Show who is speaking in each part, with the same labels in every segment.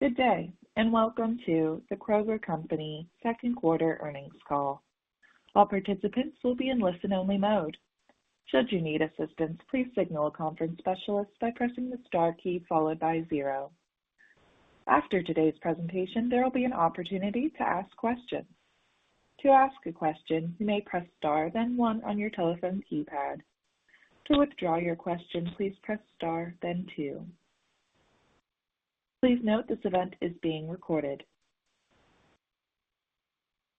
Speaker 1: Good day, welcome to the Kroger Company second quarter earnings call. All participants will be in listen only mode. After today's presentation, there will be an opportunity to ask questions. Please note this event is being recorded.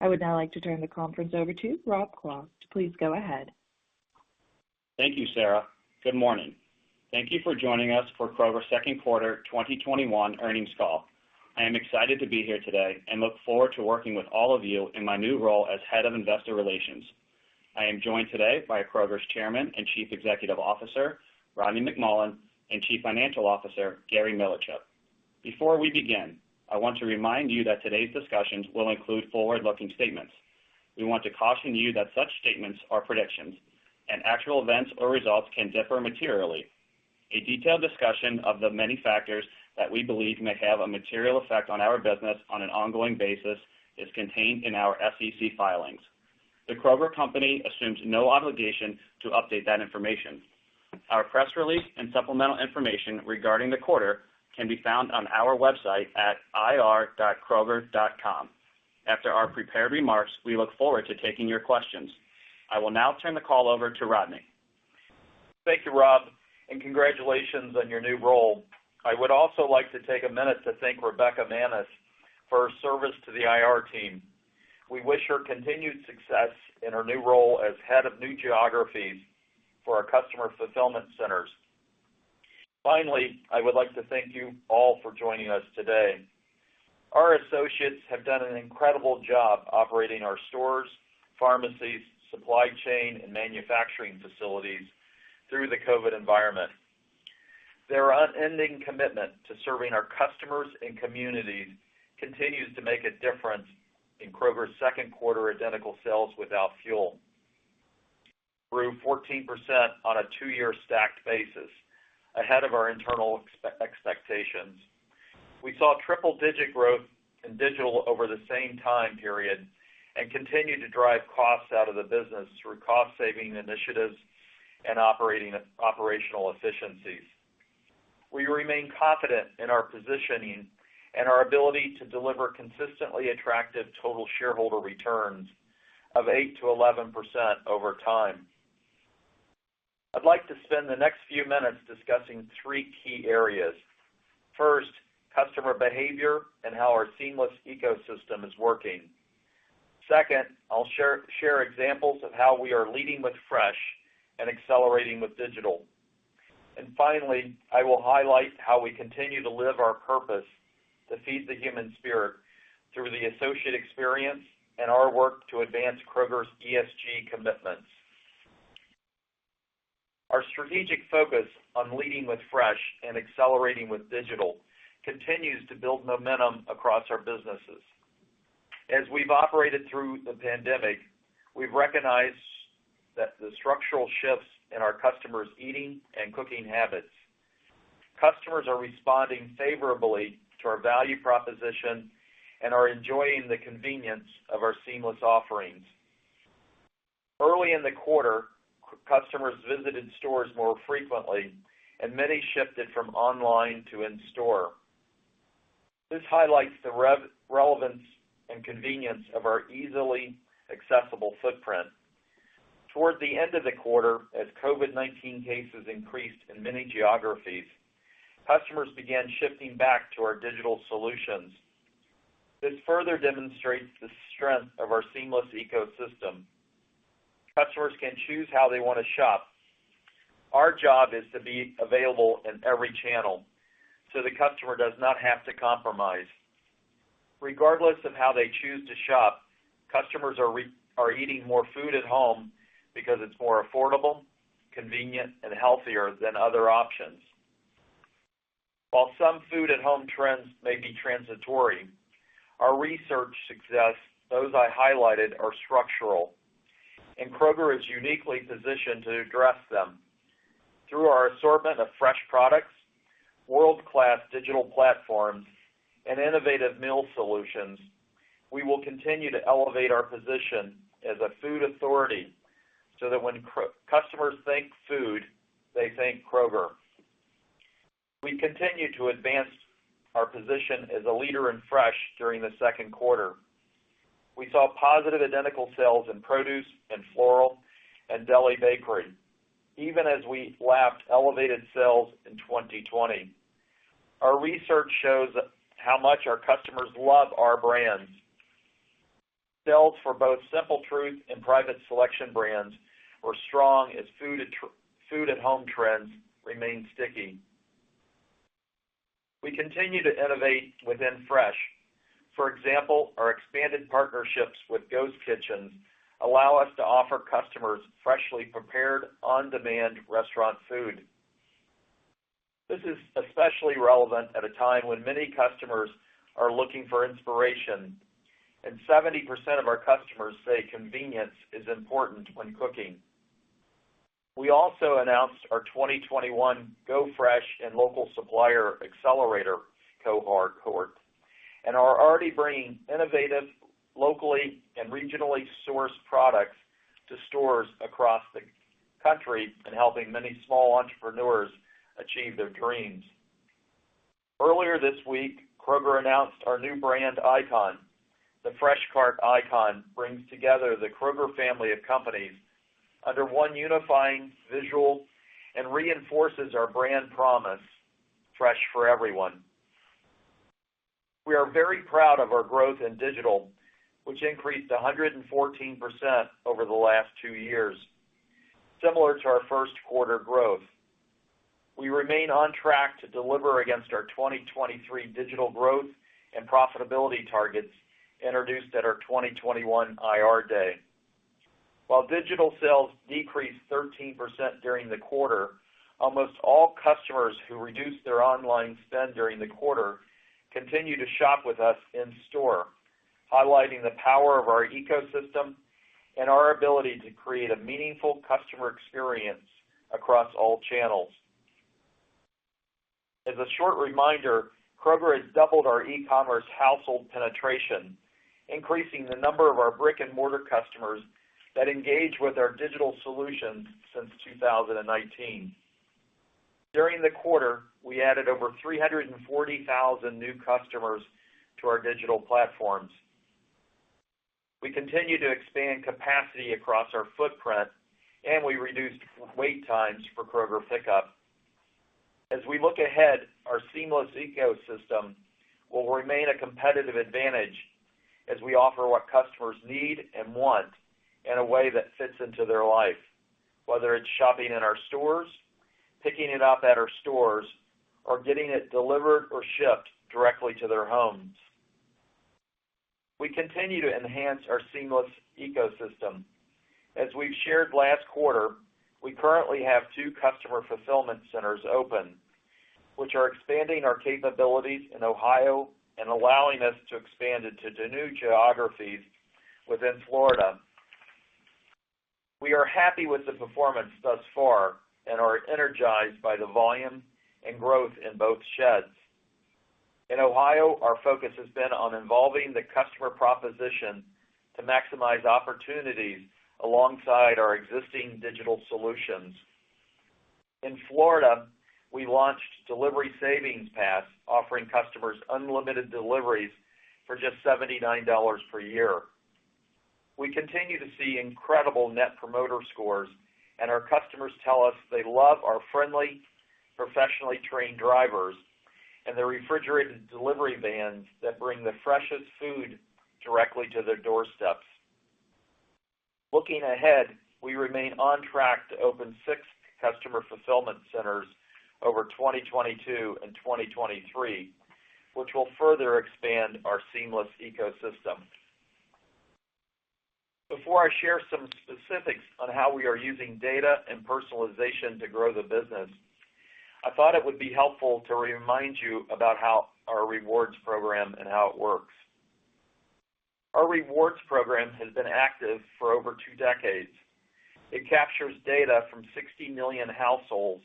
Speaker 1: I would now like to turn the conference over to Robert Clark. Please go ahead.
Speaker 2: Thank you, Sarah. Good morning. Thank you for joining us for Kroger second quarter 2021 earnings call. I am excited to be here today and look forward to working with all of you in my new role as Head of Investor Relations. I am joined today by Kroger's Chairman and Chief Executive Officer, Rodney McMullen, and Chief Financial Officer, Gary Millerchip. Before we begin, I want to remind you that today's discussions will include forward-looking statements. We want to caution you that such statements are predictions and actual events or results can differ materially. A detailed discussion of the many factors that we believe may have a material effect on our business on an ongoing basis is contained in our SEC filings. The Kroger company assumes no obligation to update that information. Our press release and supplemental information regarding the quarter can be found on our website at ir.kroger.com. After our prepared remarks, we look forward to taking your questions. I will now turn the call over to Rodney.
Speaker 3: Thank you, Rob, and congratulations on your new role. I would also like to take a minute to thank Rebekah Manis for her service to the IR team. We wish her continued success in her new role as head of new geographies for our customer fulfillment centers. I would like to thank you all for joining us today. Our associates have done an incredible job operating our stores, pharmacies, supply chain, and manufacturing facilities through the COVID environment. Their unending commitment to serving our customers and communities continues to make a difference in Kroger's second quarter identical sales without fuel, grew 14% on a two-year stacked basis, ahead of our internal expectations. We saw triple digit growth in digital over the same time period and continued to drive costs out of the business through cost saving initiatives and operational efficiencies. We remain confident in our positioning and our ability to deliver consistently attractive total shareholder returns of 8% to 11% over time. I'd like to spend the next few minutes discussing three key areas. First, customer behavior and how our seamless ecosystem is working. Second, I'll share examples of how we are Leading with Fresh and Accelerating with Digital. Finally, I will highlight how we continue to live our purpose to feed the human spirit through the associate experience and our work to advance Kroger's ESG commitments. Our strategic focus on Leading with Fresh and Accelerating with Digital continues to build momentum across our businesses. As we've operated through the pandemic, we've recognized that the structural shifts in our customers' eating and cooking habits. Customers are responding favorably to our value proposition and are enjoying the convenience of our seamless offerings. Early in the quarter, customers visited stores more frequently and many shifted from online to in-store. This highlights the relevance and convenience of our easily accessible footprint. Toward the end of the quarter, as COVID-19 cases increased in many geographies, customers began shifting back to our digital solutions. This further demonstrates the strength of our seamless ecosystem. Customers can choose how they want to shop. Our job is to be available in every channel so the customer does not have to compromise. Regardless of how they choose to shop, customers are eating more food at home because it's more affordable, convenient, and healthier than other options. While some food at home trends may be transitory, our research suggests those I highlighted are structural, and Kroger is uniquely positioned to address them. Through our assortment of fresh products, world-class digital platforms, and innovative meal solutions, we will continue to elevate our position as a food authority so that when customers think food, they think Kroger. We continued to advance our position as a leader in fresh during the second quarter. We saw positive identical sales in produce and floral and deli bakery, even as we lapped elevated sales in 2020. Our research shows how much our customers love our brands. Sales for both Simple Truth and Private Selection brands were strong as food at home trends remain sticky. We continue to innovate within fresh. For example, our expanded partnerships with Ghost Kitchens allow us to offer customers freshly prepared, on-demand restaurant food. This is especially relevant at a time when many customers are looking for inspiration, and 70% of our customers say convenience is important when cooking. We also announced our 2021 Go Fresh & Local Supplier Accelerator cohort, and are already bringing innovative, locally, and regionally sourced products to stores across the country, and helping many small entrepreneurs achieve their dreams. Earlier this week, Kroger announced our new brand icon. The Fresh Cart icon brings together the Kroger family of companies under one unifying visual and reinforces our brand promise, Fresh for Everyone. We are very proud of our growth in digital, which increased 114% over the last two years, similar to our first quarter growth. We remain on track to deliver against our 2023 digital growth and profitability targets introduced at our 2021 IR day. While digital sales decreased 13% during the quarter, almost all customers who reduced their online spend during the quarter continue to shop with us in store, highlighting the power of our ecosystem and our ability to create a meaningful customer experience across all channels. As a short reminder, Kroger has doubled our e-commerce household penetration, increasing the number of our brick-and-mortar customers that engage with our digital solutions since 2019. During the quarter, we added over 340,000 new customers to our digital platforms. We continue to expand capacity across our footprint, and we reduced wait times for Kroger Pickup. As we look ahead, our seamless ecosystem will remain a competitive advantage as we offer what customers need and want in a way that fits into their life, whether it's shopping in our stores, picking it up at our stores, or getting it delivered or shipped directly to their homes. We continue to enhance our seamless ecosystem. As we've shared last quarter, we currently have 2 customer fulfillment centers open, which are expanding our capabilities in Ohio and allowing us to expand into new geographies within Florida. We are happy with the performance thus far and are energized by the volume and growth in both sheds. In Ohio, our focus has been on evolving the customer proposition to maximize opportunities alongside our existing digital solutions. In Florida, we launched Delivery Savings Pass, offering customers unlimited deliveries for just $79 per year. We continue to see incredible Net Promoter Scores, and our customers tell us they love our friendly, professionally trained drivers and the refrigerated delivery vans that bring the freshest food directly to their doorsteps. Looking ahead, we remain on track to open six customer fulfillment centers over 2022 and 2023, which will further expand our seamless ecosystem. Before I share some specifics on how we are using data and personalization to grow the business, I thought it would be helpful to remind you about our rewards program and how it works. Our rewards program has been active for over two decades. It captures data from 60 million households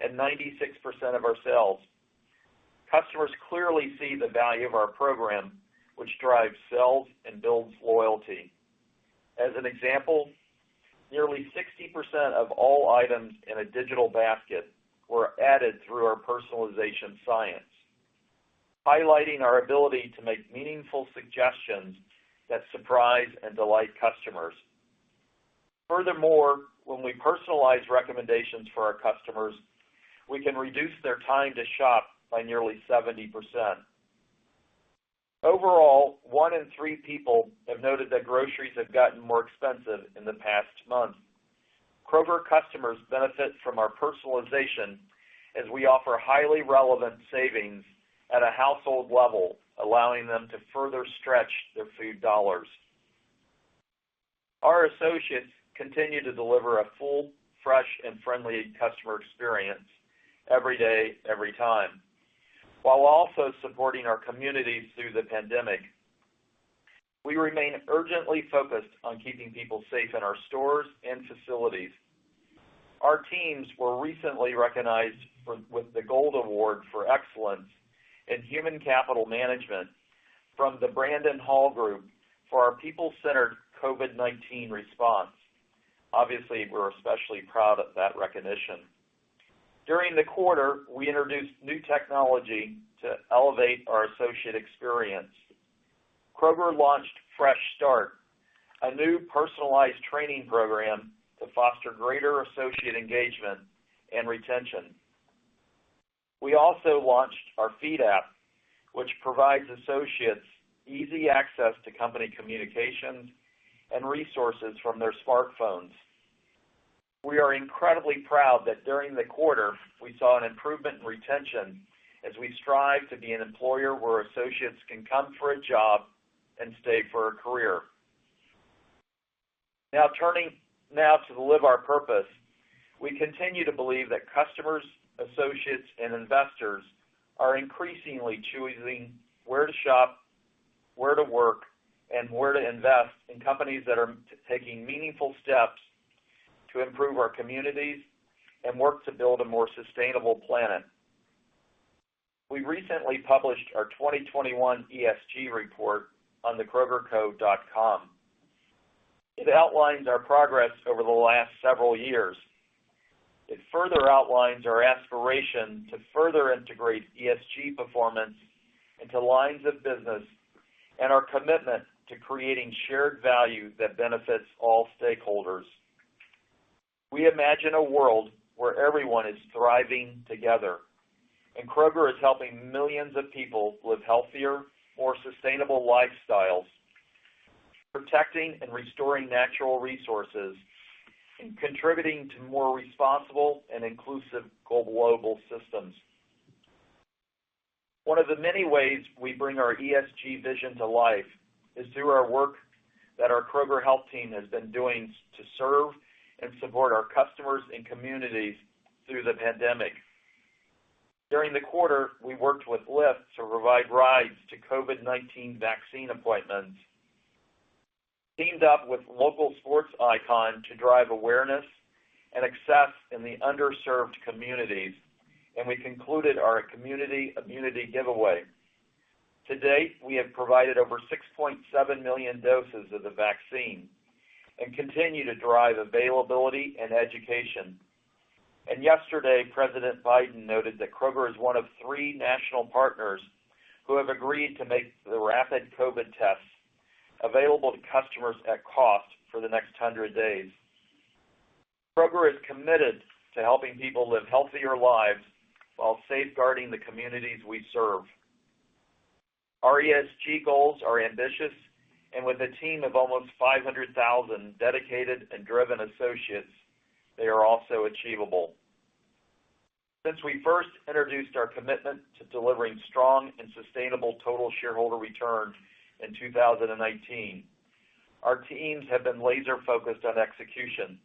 Speaker 3: and 96% of our sales. Customers clearly see the value of our program, which drives sales and builds loyalty. As an example, nearly 60% of all items in a digital basket were added through our personalization science, highlighting our ability to make meaningful suggestions that surprise and delight customers. Furthermore, when we personalize recommendations for our customers, we can reduce their time to shop by nearly 70%. Overall, one in three people have noted that groceries have gotten more expensive in the past month. Kroger customers benefit from our personalization as we offer highly relevant savings at a household level, allowing them to further stretch their food dollars. Our associates continue to deliver a full, fresh, and friendly customer experience every day, every time, while also supporting our communities through the pandemic. We remain urgently focused on keeping people safe in our stores and facilities. Our teams were recently recognized with the Gold Award for excellence in human capital management from the Brandon Hall Group for our people-centered COVID-19 response. Obviously, we're especially proud of that recognition. During the quarter, we introduced new technology to elevate our associate experience. Kroger launched Fresh Start, a new personalized training program to foster greater associate engagement and retention. We also launched our Feed app, which provides associates easy access to company communications and resources from their smartphones. We are incredibly proud that during the quarter, we saw an improvement in retention as we strive to be an employer where associates can come for a job and stay for a career. Turning now to the Live Our Purpose, we continue to believe that customers, associates, and investors are increasingly choosing where to shop, where to work and where to invest in companies that are taking meaningful steps to improve our communities and work to build a more sustainable planet. We recently published our 2021 ESG report on thekrogerco.com. It outlines our progress over the last several years. It further outlines our aspiration to further integrate ESG performance into lines of business, and our commitment to creating shared value that benefits all stakeholders. We imagine a world where everyone is thriving together, and Kroger is helping millions of people live healthier, more sustainable lifestyles, protecting and restoring natural resources, and contributing to more responsible and inclusive global systems. One of the many ways we bring our ESG vision to life is through our work that our Kroger Health team has been doing to serve and support our customers and communities through the pandemic. During the quarter, we worked with Lyft to provide rides to COVID-19 vaccine appointments, teamed up with local sports icon to drive awareness and access in the underserved communities, and we concluded our Community Immunity Giveaway. To date, we have provided over 6.7 million doses of the vaccine and continue to drive availability and education. Yesterday, President Biden noted that Kroger is one of three national partners who have agreed to make the rapid COVID tests available to customers at cost for the next 100 days. Kroger is committed to helping people live healthier lives while safeguarding the communities we serve. Our ESG goals are ambitious, and with a team of almost 500,000 dedicated and driven associates, they are also achievable. Since we first introduced our commitment to delivering strong and sustainable total shareholder return in 2019, our teams have been laser-focused on execution.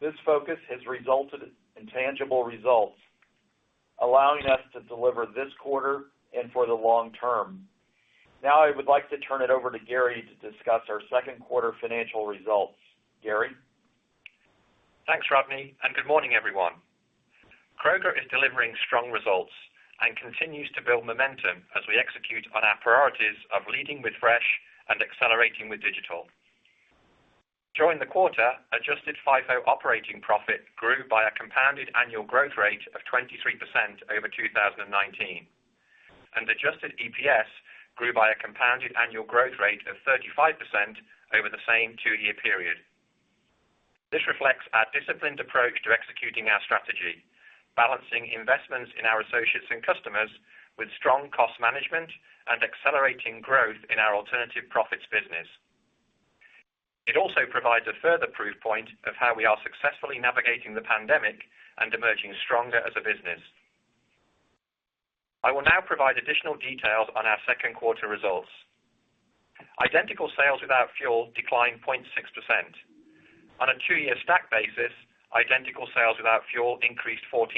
Speaker 3: This focus has resulted in tangible results, allowing us to deliver this quarter and for the long term. Now, I would like to turn it over to Gary to discuss our second quarter financial results. Gary?
Speaker 4: Thanks, Rodney, and good morning, everyone. Kroger is delivering strong results and continues to build momentum as we execute on our priorities of leading with fresh and accelerating with digital. During the quarter, adjusted FIFO operating profit grew by a compounded annual growth rate of 23% over 2019, and adjusted EPS grew by a compounded annual growth rate of 35% over the same two-year period. This reflects our disciplined approach to executing our strategy, balancing investments in our associates and customers with strong cost management and accelerating growth in our alternative profits business. It also provides a further proof point of how we are successfully navigating the pandemic and emerging stronger as a business. I will now provide additional details on our second quarter results. Identical sales without fuel declined 0.6%. On a two-year stack basis, identical sales without fuel increased 14%.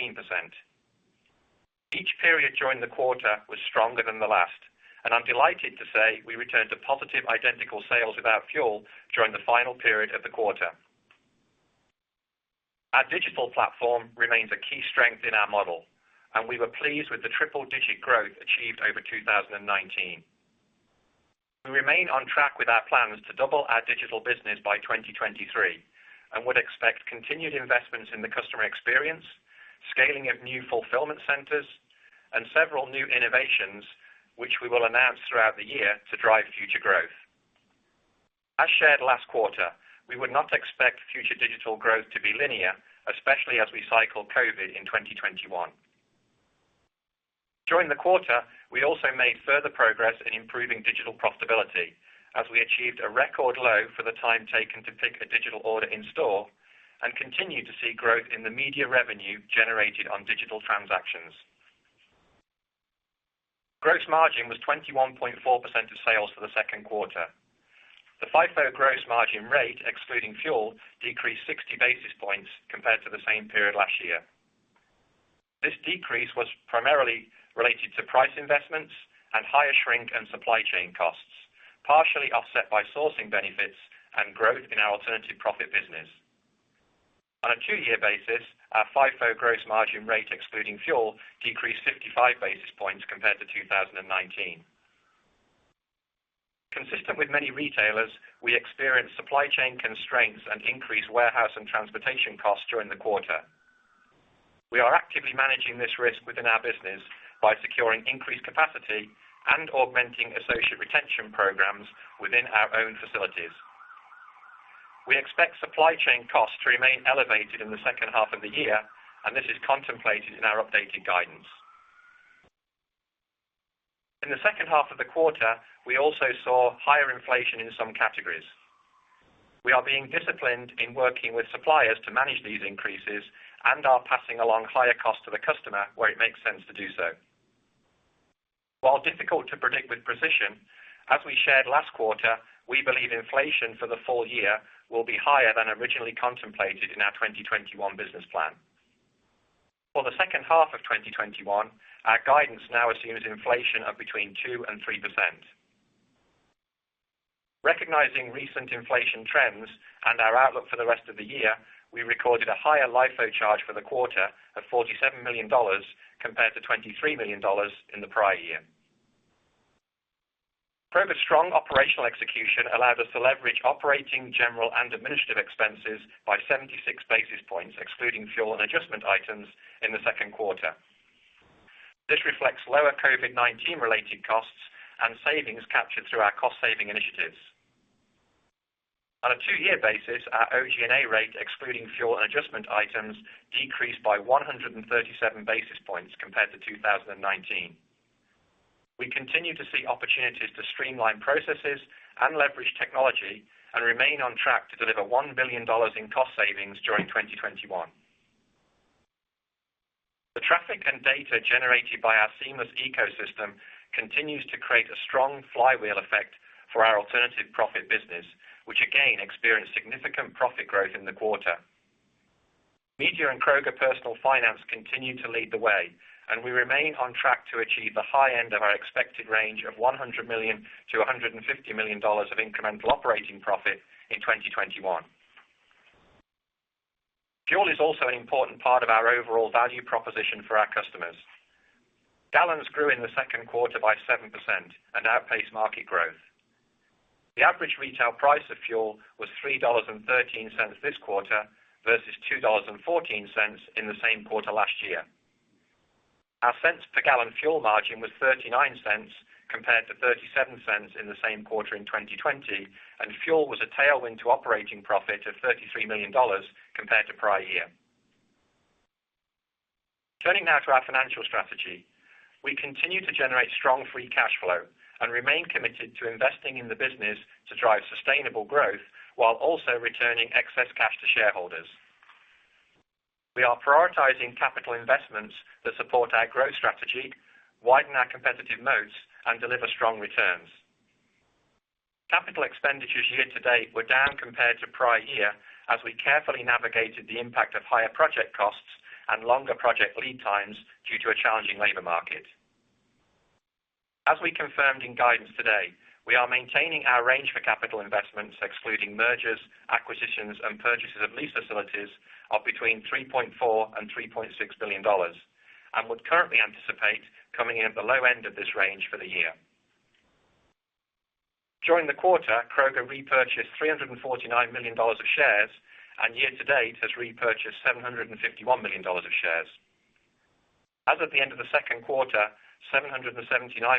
Speaker 4: Each period during the quarter was stronger than the last, and I'm delighted to say we returned to positive identical sales without fuel during the final period of the quarter. Our digital platform remains a key strength in our model, and we were pleased with the triple-digit growth achieved over 2019. We remain on track with our plans to double our digital business by 2023 and would expect continued investments in the customer experience, scaling of new fulfillment centers, and several new innovations which we will announce throughout the year to drive future growth. As shared last quarter, we would not expect future digital growth to be linear, especially as we cycle COVID-19 in 2021. During the quarter, we also made further progress in improving digital profitability as we achieved a record low for the time taken to pick a digital order in store and continue to see growth in the media revenue generated on digital transactions. Gross margin was 21.4% of sales for the second quarter. The FIFO gross margin rate, excluding fuel, decreased 60 basis points compared to the same period last year. This decrease was primarily related to price investments and higher shrink and supply chain costs, partially offset by sourcing benefits and growth in our alternative profit business. On a two-year basis, our FIFO gross margin rate, excluding fuel, decreased 55 basis points compared to 2019. Consistent with many retailers, we experienced supply chain constraints and increased warehouse and transportation costs during the quarter. We are actively managing this risk within our business by securing increased capacity and augmenting associate retention programs within our own facilities. We expect supply chain costs to remain elevated in the second half of the year, and this is contemplated in our updated guidance. In the second half of the quarter, we also saw higher inflation in some categories. We are being disciplined in working with suppliers to manage these increases and are passing along higher cost to the customer where it makes sense to do so. While difficult to predict with precision, as we shared last quarter, we believe inflation for the full year will be higher than originally contemplated in our 2021 business plan. For the second half of 2021, our guidance now assumes inflation of between 2% and 3%. Recognizing recent inflation trends and our outlook for the rest of the year, we recorded a higher LIFO charge for the quarter of $47 million compared to $23 million in the prior year. Kroger's strong operational execution allowed us to leverage Operating, General & Administrative expenses by 76 basis points, excluding fuel and adjustment items in the second quarter. This reflects lower COVID-19 related costs and savings captured through our cost-saving initiatives. On a two-year basis, our OG&A rate, excluding fuel and adjustment items, decreased by 137 basis points compared to 2019. We continue to see opportunities to streamline processes and leverage technology and remain on track to deliver $1 billion in cost savings during 2021. The traffic and data generated by our seamless ecosystem continues to create a strong flywheel effect for our alternative profit business, which again experienced significant profit growth in the quarter. Media and Kroger Personal Finance continue to lead the way, and we remain on track to achieve the high end of our expected range of $100 million-$150 million of incremental operating profit in 2021. Fuel is also an important part of our overall value proposition for our customers. Gallons grew in the 2nd quarter by 7% and outpaced market growth. The average retail price of fuel was $3.13 this quarter versus $2.14 in the same quarter last year. Our cents per gallon fuel margin was $0.39 compared to $0.37 in the same quarter in 2020, and fuel was a tailwind to operating profit of $33 million compared to prior year. Turning now to our financial strategy. We continue to generate strong free cash flow and remain committed to investing in the business to drive sustainable growth while also returning excess cash to shareholders. We are prioritizing capital investments that support our growth strategy, widen our competitive moats, and deliver strong returns. Capital expenditures year to date were down compared to prior year as we carefully navigated the impact of higher project costs and longer project lead times due to a challenging labor market. As we confirmed in guidance today, we are maintaining our range for capital investments, excluding mergers, acquisitions, and purchases of lease facilities, of between $3.4 billion and $3.6 billion and would currently anticipate coming in at the low end of this range for the year. During the quarter, Kroger repurchased $349 million of shares, and year to date has repurchased $751 million of shares. As of the end of the second quarter, $779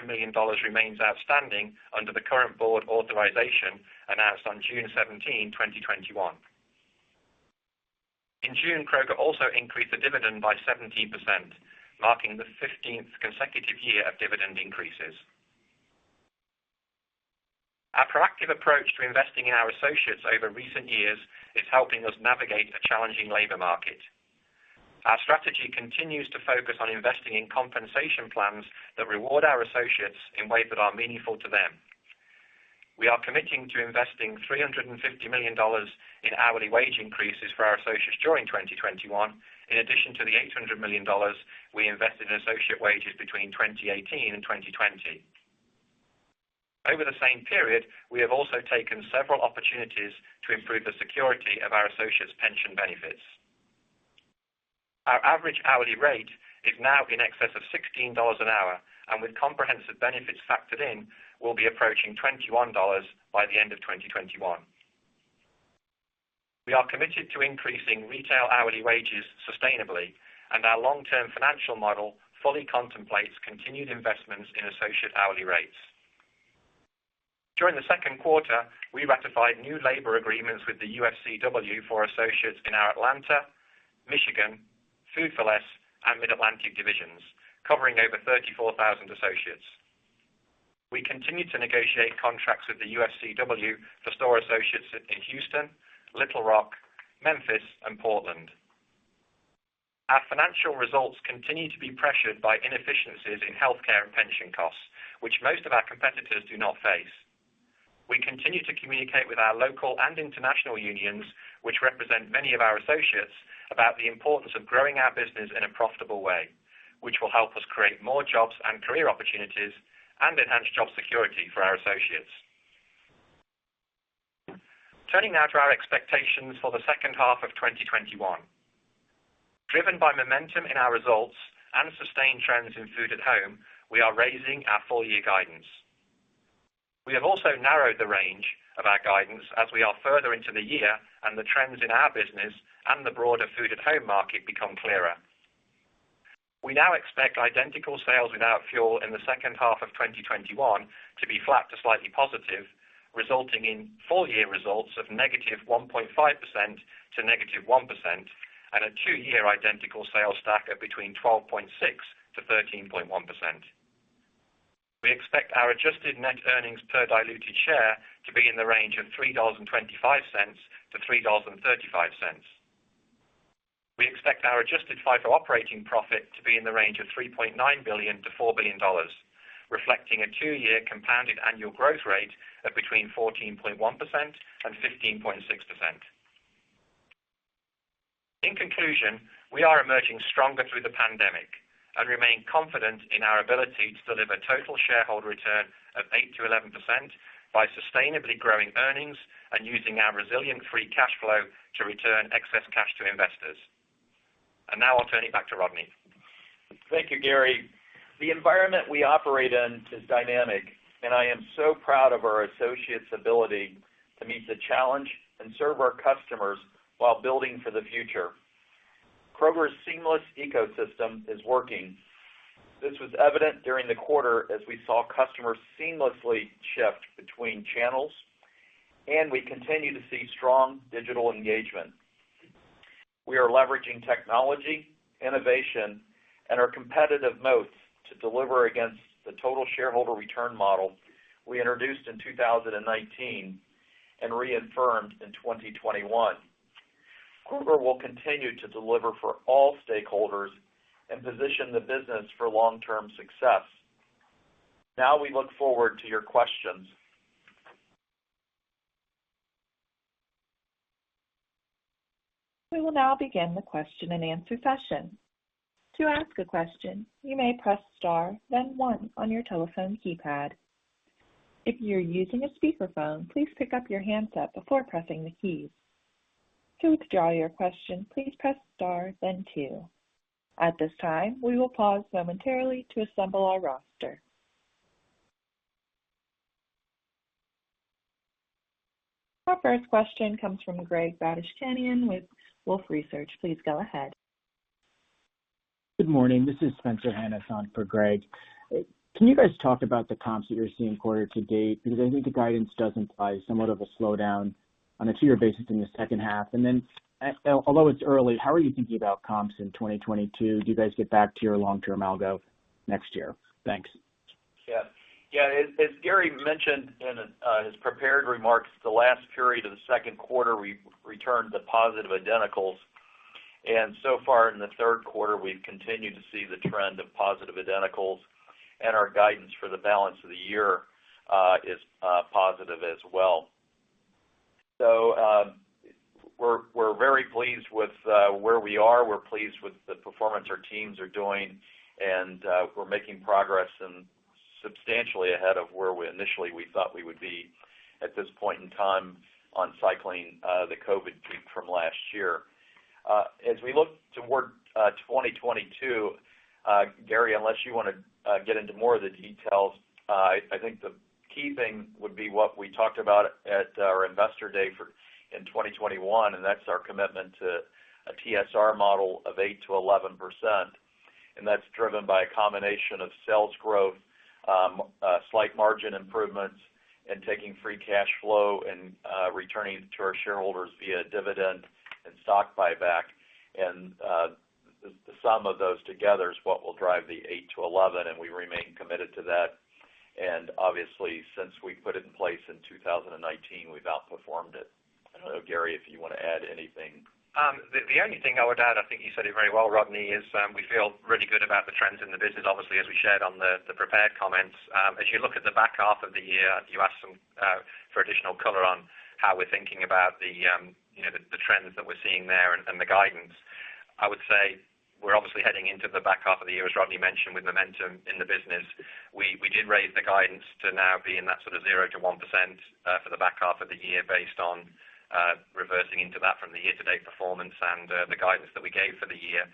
Speaker 4: million remains outstanding under the current board authorization announced on June 17, 2021. In June, Kroger also increased the dividend by 17%, marking the 15th consecutive year of dividend increases. Our proactive approach to investing in our associates over recent years is helping us navigate a challenging labor market. Our strategy continues to focus on investing in compensation plans that reward our associates in ways that are meaningful to them. We are committing to investing $350 million in hourly wage increases for our associates during 2021, in addition to the $800 million we invested in associate wages between 2018 and 2020. Over the same period, we have also taken several opportunities to improve the security of our associates' pension benefits. Our average hourly rate is now in excess of $16 an hour, and with comprehensive benefits factored in, will be approaching $21 by the end of 2021. We are committed to increasing retail hourly wages sustainably, and our long-term financial model fully contemplates continued investments in associate hourly rates. During the second quarter, we ratified new labor agreements with the UFCW for associates in our Atlanta, Michigan, Food 4 Less, and Mid-Atlantic divisions, covering over 34,000 associates. We continue to negotiate contracts with the UFCW for store associates in Houston, Little Rock, Memphis, and Portland. Our financial results continue to be pressured by inefficiencies in healthcare and pension costs, which most of our competitors do not face. We continue to communicate with our local and international unions, which represent many of our associates, about the importance of growing our business in a profitable way, which will help us create more jobs and career opportunities and enhance job security for our associates. Turning now to our expectations for the second half of 2021. Driven by momentum in our results and sustained trends in food at home, we are raising our full year guidance. We have also narrowed the range of our guidance as we are further into the year and the trends in our business and the broader food at home market become clearer. We now expect identical sales without fuel in the second half of 2021 to be flat to slightly positive, resulting in full year results of -1.5% to -1%, and a two-year identical sales stack of between 12.6%-13.1%. We expect our adjusted net earnings per diluted share to be in the range of $3.25-$3.35. We expect our adjusted FIFO operating profit to be in the range of $3.9 billion-$4 billion. Reflecting a two-year compounded annual growth rate of between 14.1% and 15.6%. In conclusion, we are emerging stronger through the pandemic and remain confident in our ability to deliver total shareholder return of 8%-11% by sustainably growing earnings and using our resilient free cash flow to return excess cash to investors. Now I'll turn it back to Rodney.
Speaker 3: Thank you, Gary. The environment we operate in is dynamic, and I am so proud of our associates' ability to meet the challenge and serve our customers while building for the future. Kroger's seamless ecosystem is working. This was evident during the quarter as we saw customers seamlessly shift between channels, and we continue to see strong digital engagement. We are leveraging technology, innovation, and our competitive moats to deliver against the total shareholder return model we introduced in 2019 and reaffirmed in 2021. Kroger will continue to deliver for all stakeholders and position the business for long-term success. We look forward to your questions.
Speaker 1: We will now begin the question and answer session. To ask a question, you may press star then one on your telephone keypad. If you're using a speakerphone, please pick up your handset before pressing the keys. To withdraw your question, please press star then two. At this time, we will pause momentarily to assemble our roster. Our first question comes from Greg Badishkanian with Wolfe Research. Please go ahead.
Speaker 5: Good morning. This is Spencer Hanus on for Greg. Can you guys talk about the comps that you're seeing quarter to date? I think the guidance does imply somewhat of a slowdown on a two-year basis in the second half. Although it's early, how are you thinking about comps in 2022? Do you guys get back to your long-term algo next year? Thanks.
Speaker 3: Yeah. As Gary mentioned in his prepared remarks, the last period of the second quarter, we've returned to positive identicals. So far in the third quarter, we've continued to see the trend of positive identicals, and our guidance for the balance of the year, is positive as well. We're very pleased with where we are. We're pleased with the performance our teams are doing, and we're making progress and substantially ahead of where we initially thought we would be at this point in time on cycling the COVID peak from last year. As we look toward 2022, Gary, unless you want to get into more of the details, I think the key thing would be what we talked about at our Investor Day in 2021, and that's our commitment to a TSR model of 8%-11%. That's driven by a combination of sales growth, slight margin improvements, and taking free cash flow and returning to our shareholders via dividend and stock buyback. The sum of those together is what will drive the 8%-11%, and we remain committed to that. Obviously, since we put it in place in 2019, we've outperformed it. I don't know, Gary, if you want to add anything.
Speaker 4: The only thing I would add, I think you said it very well, Rodney, is we feel really good about the trends in the business, obviously, as we shared on the prepared comments. As you look at the back half of the year, you asked for additional color on how we're thinking about the trends that we're seeing there and the guidance. I would say we're obviously heading into the back half of the year, as Rodney mentioned, with momentum in the business. We did raise the guidance to now be in that sort of 0%-1% for the back half of the year based on reversing into that from the year-to-date performance and the guidance that we gave for the year.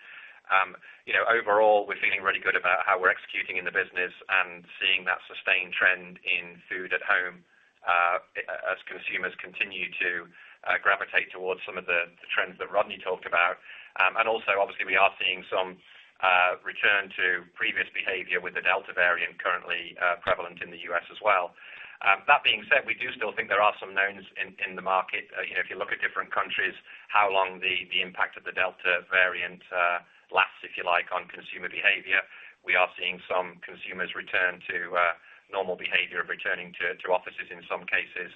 Speaker 4: Overall, we're feeling really good about how we're executing in the business and seeing that sustained trend in food at home, as consumers continue to gravitate towards some of the trends that Rodney talked about. Also obviously we are seeing some return to previous behavior with the Delta variant currently prevalent in the U.S. as well. That being said, we do still think there are some knowns in the market. If you look at different countries, how long the impact of the Delta variant lasts, if you like, on consumer behavior. We are seeing some consumers return to normal behavior of returning to offices in some cases.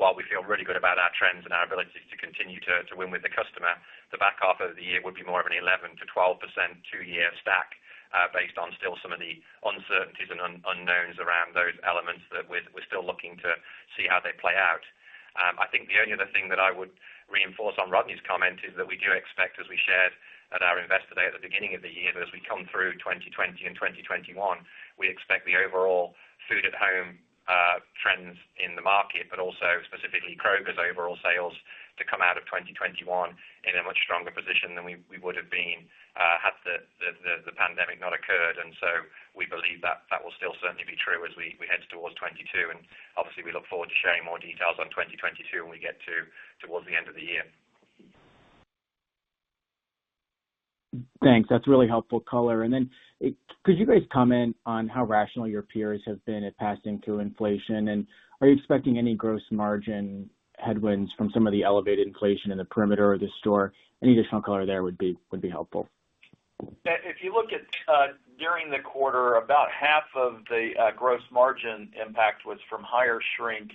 Speaker 4: While we feel really good about our trends and our ability to continue to win with the customer, the back half of the year would be more of an 11%-12% two year stack based on still some of the uncertainties and unknowns around those elements that we're still looking to see how they play out. I think the only other thing that I would reinforce on Rodney's comment is that we do expect, as we shared at our Investor Day at the beginning of the year, that as we come through 2020 and 2021, we expect the overall food-at-home trends in the market, but also specifically Kroger's overall sales to come out of 2021 in a much stronger position than we would've been had the pandemic not occurred. We believe that will still certainly be true as we head towards 2022. Obviously, we look forward to sharing more details on 2022 when we get towards the end of the year.
Speaker 5: Thanks. That's really helpful color. Could you guys comment on how rational your peers have been at passing through inflation? Are you expecting any gross margin headwinds from some of the elevated inflation in the perimeter of the store? Any additional color there would be helpful.
Speaker 3: If you look at during the quarter, about half of the gross margin impact was from higher shrink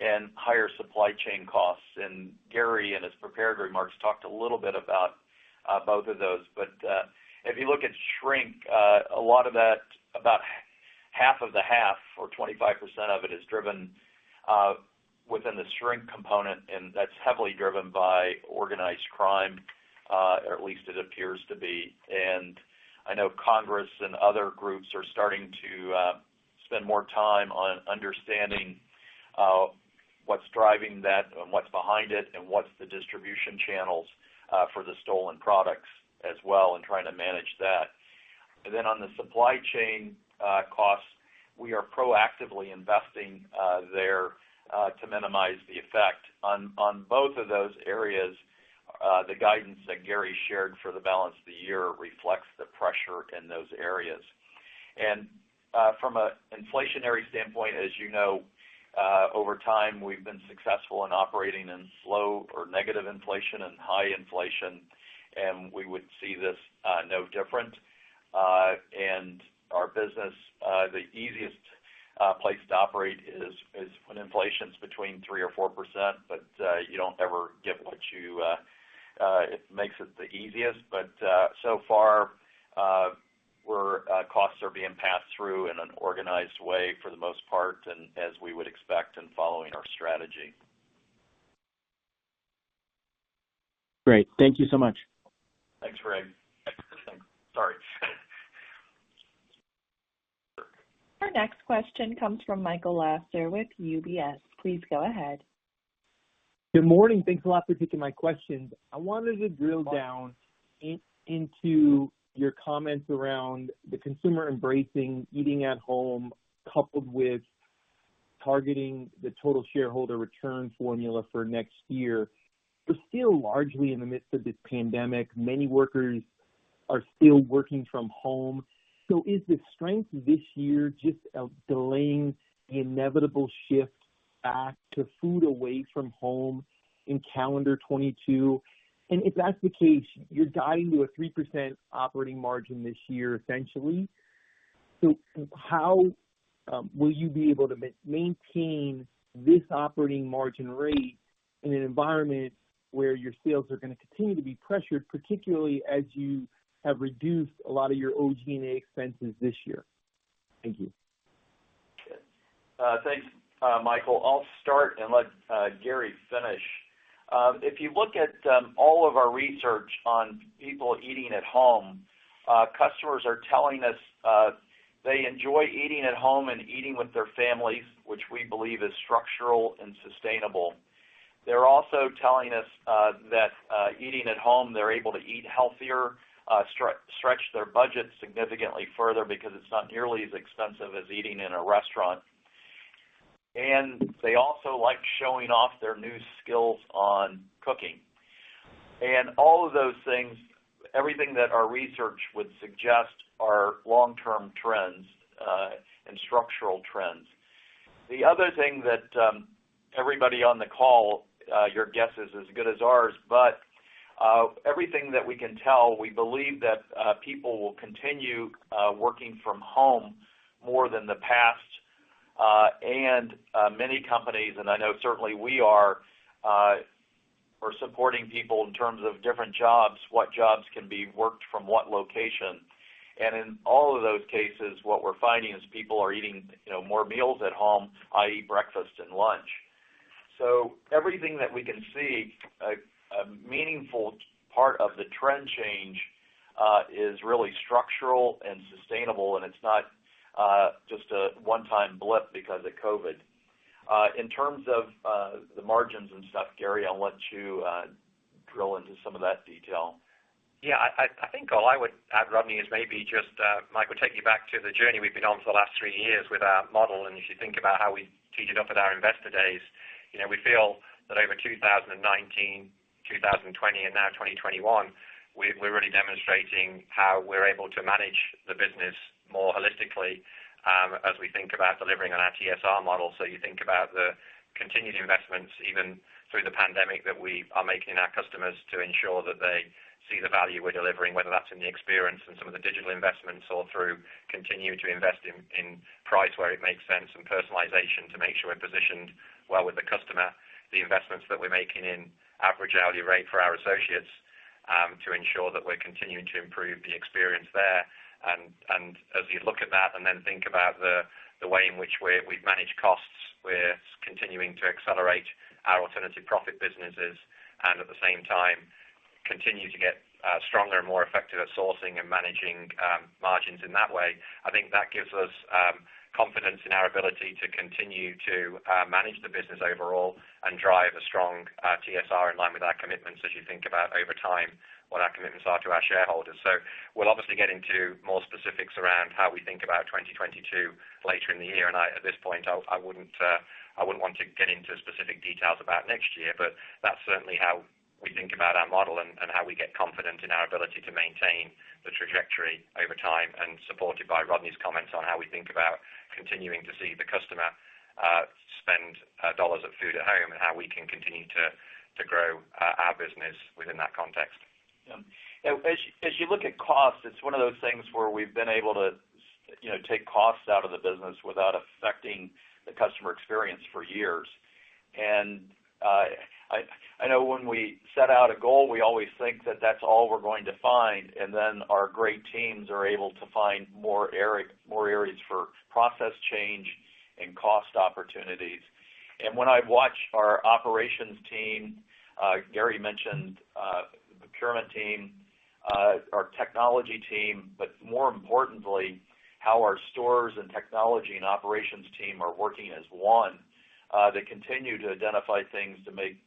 Speaker 3: and higher supply chain costs. Gary, in his prepared remarks, talked a little bit about both of those. If you look at shrink, a lot of that, about half of the half or 25% of it is driven within the shrink component, and that's heavily driven by organized crime, or at least it appears to be. I know Congress and other groups are starting to spend more time on understanding what's driving that and what's behind it and what's the distribution channels for the stolen products as well and trying to manage that. On the supply chain costs, we are proactively investing there to minimize the effect. On both of those areas, the guidance that Gary shared for the balance of the year reflects the pressure in those areas. From an inflationary standpoint, as you know, over time, we've been successful in operating in slow or negative inflation and high inflation, and we would see this no different. Our business, the easiest place to operate is when inflation's between 3% or 4%, but you don't ever get what you. It makes it the easiest. So far, costs are being passed through in an organized way for the most part and as we would expect in following our strategy.
Speaker 5: Great. Thank you so much.
Speaker 3: Thanks, Greg. Sorry.
Speaker 1: Our next question comes from Michael Lasser with UBS. Please go ahead.
Speaker 6: Good morning. Thanks a lot for taking my questions. I wanted to drill down into your comments around the consumer embracing eating at home, coupled with targeting the total shareholder return formula for next year. We're still largely in the midst of this pandemic. Many workers are still working from home. Is the strength this year just delaying the inevitable shift back to food away from home in calendar 2022? If that's the case, you're guiding to a 3% operating margin this year, essentially. How will you be able to maintain this operating margin rate in an environment where your sales are going to continue to be pressured, particularly as you have reduced a lot of your OG&A expenses this year? Thank you.
Speaker 3: Thanks, Michael. I'll start and let Gary finish. If you look at all of our research on people eating at home, customers are telling us they enjoy eating at home and eating with their families, which we believe is structural and sustainable. They're also telling us that eating at home, they're able to eat healthier, stretch their budget significantly further because it's not nearly as expensive as eating in a restaurant. They also like showing off their new skills on cooking. All of those things, everything that our research would suggest are long-term trends and structural trends. The other thing that everybody on the call, your guess is as good as ours, but everything that we can tell, we believe that people will continue working from home more than the past. Many companies, and I know certainly we are supporting people in terms of different jobs, what jobs can be worked from what location. In all of those cases, what we're finding is people are eating more meals at home, i.e., breakfast and lunch. Everything that we can see, a meaningful part of the trend change is really structural and sustainable, and it's not just a one-time blip because of COVID. In terms of the margins and stuff, Gary, I'll let you drill into some of that detail.
Speaker 4: Yeah, I think all I would add, Rodney, is maybe just, Michael, take you back to the journey we've been on for the last three years with our model, and if you think about how we teed it up at our investor days. We feel that over 2019, 2020, and now 2021, we're really demonstrating how we're able to manage the business more holistically as we think about delivering on our TSR model. You think about the continued investments, even through the pandemic, that we are making in our customers to ensure that they see the value we're delivering, whether that's in the experience and some of the digital investments or through continuing to invest in price where it makes sense and personalization to make sure we're positioned well with the customer. The investments that we're making in average hourly rate for our associates to ensure that we're continuing to improve the experience there. As you look at that and then think about the way in which we've managed costs, we're continuing to accelerate our alternative profit businesses and at the same time continue to get stronger and more effective at sourcing and managing margins in that way. I think that gives us confidence in our ability to continue to manage the business overall and drive a strong TSR in line with our commitments as you think about over time what our commitments are to our shareholders. We'll obviously get into more specifics around how we think about 2022 later in the year. At this point, I wouldn't want to get into specific details about next year, but that's certainly how we think about our model and how we get confident in our ability to maintain the trajectory over time and supported by Rodney's comments on how we think about continuing to see the customer spend dollars of food at home and how we can continue to grow our business within that context.
Speaker 3: Yeah. Cost, it's one of those things where we've been able to take costs out of the business without affecting the customer experience for years. I know when we set out a goal, we always think that that's all we're going to find, and then our great teams are able to find more areas for process change and cost opportunities. When I watch our operations team, Gary mentioned the procurement team, our technology team, but more importantly, how our stores and technology and operations team are working as one to continue to identify things to make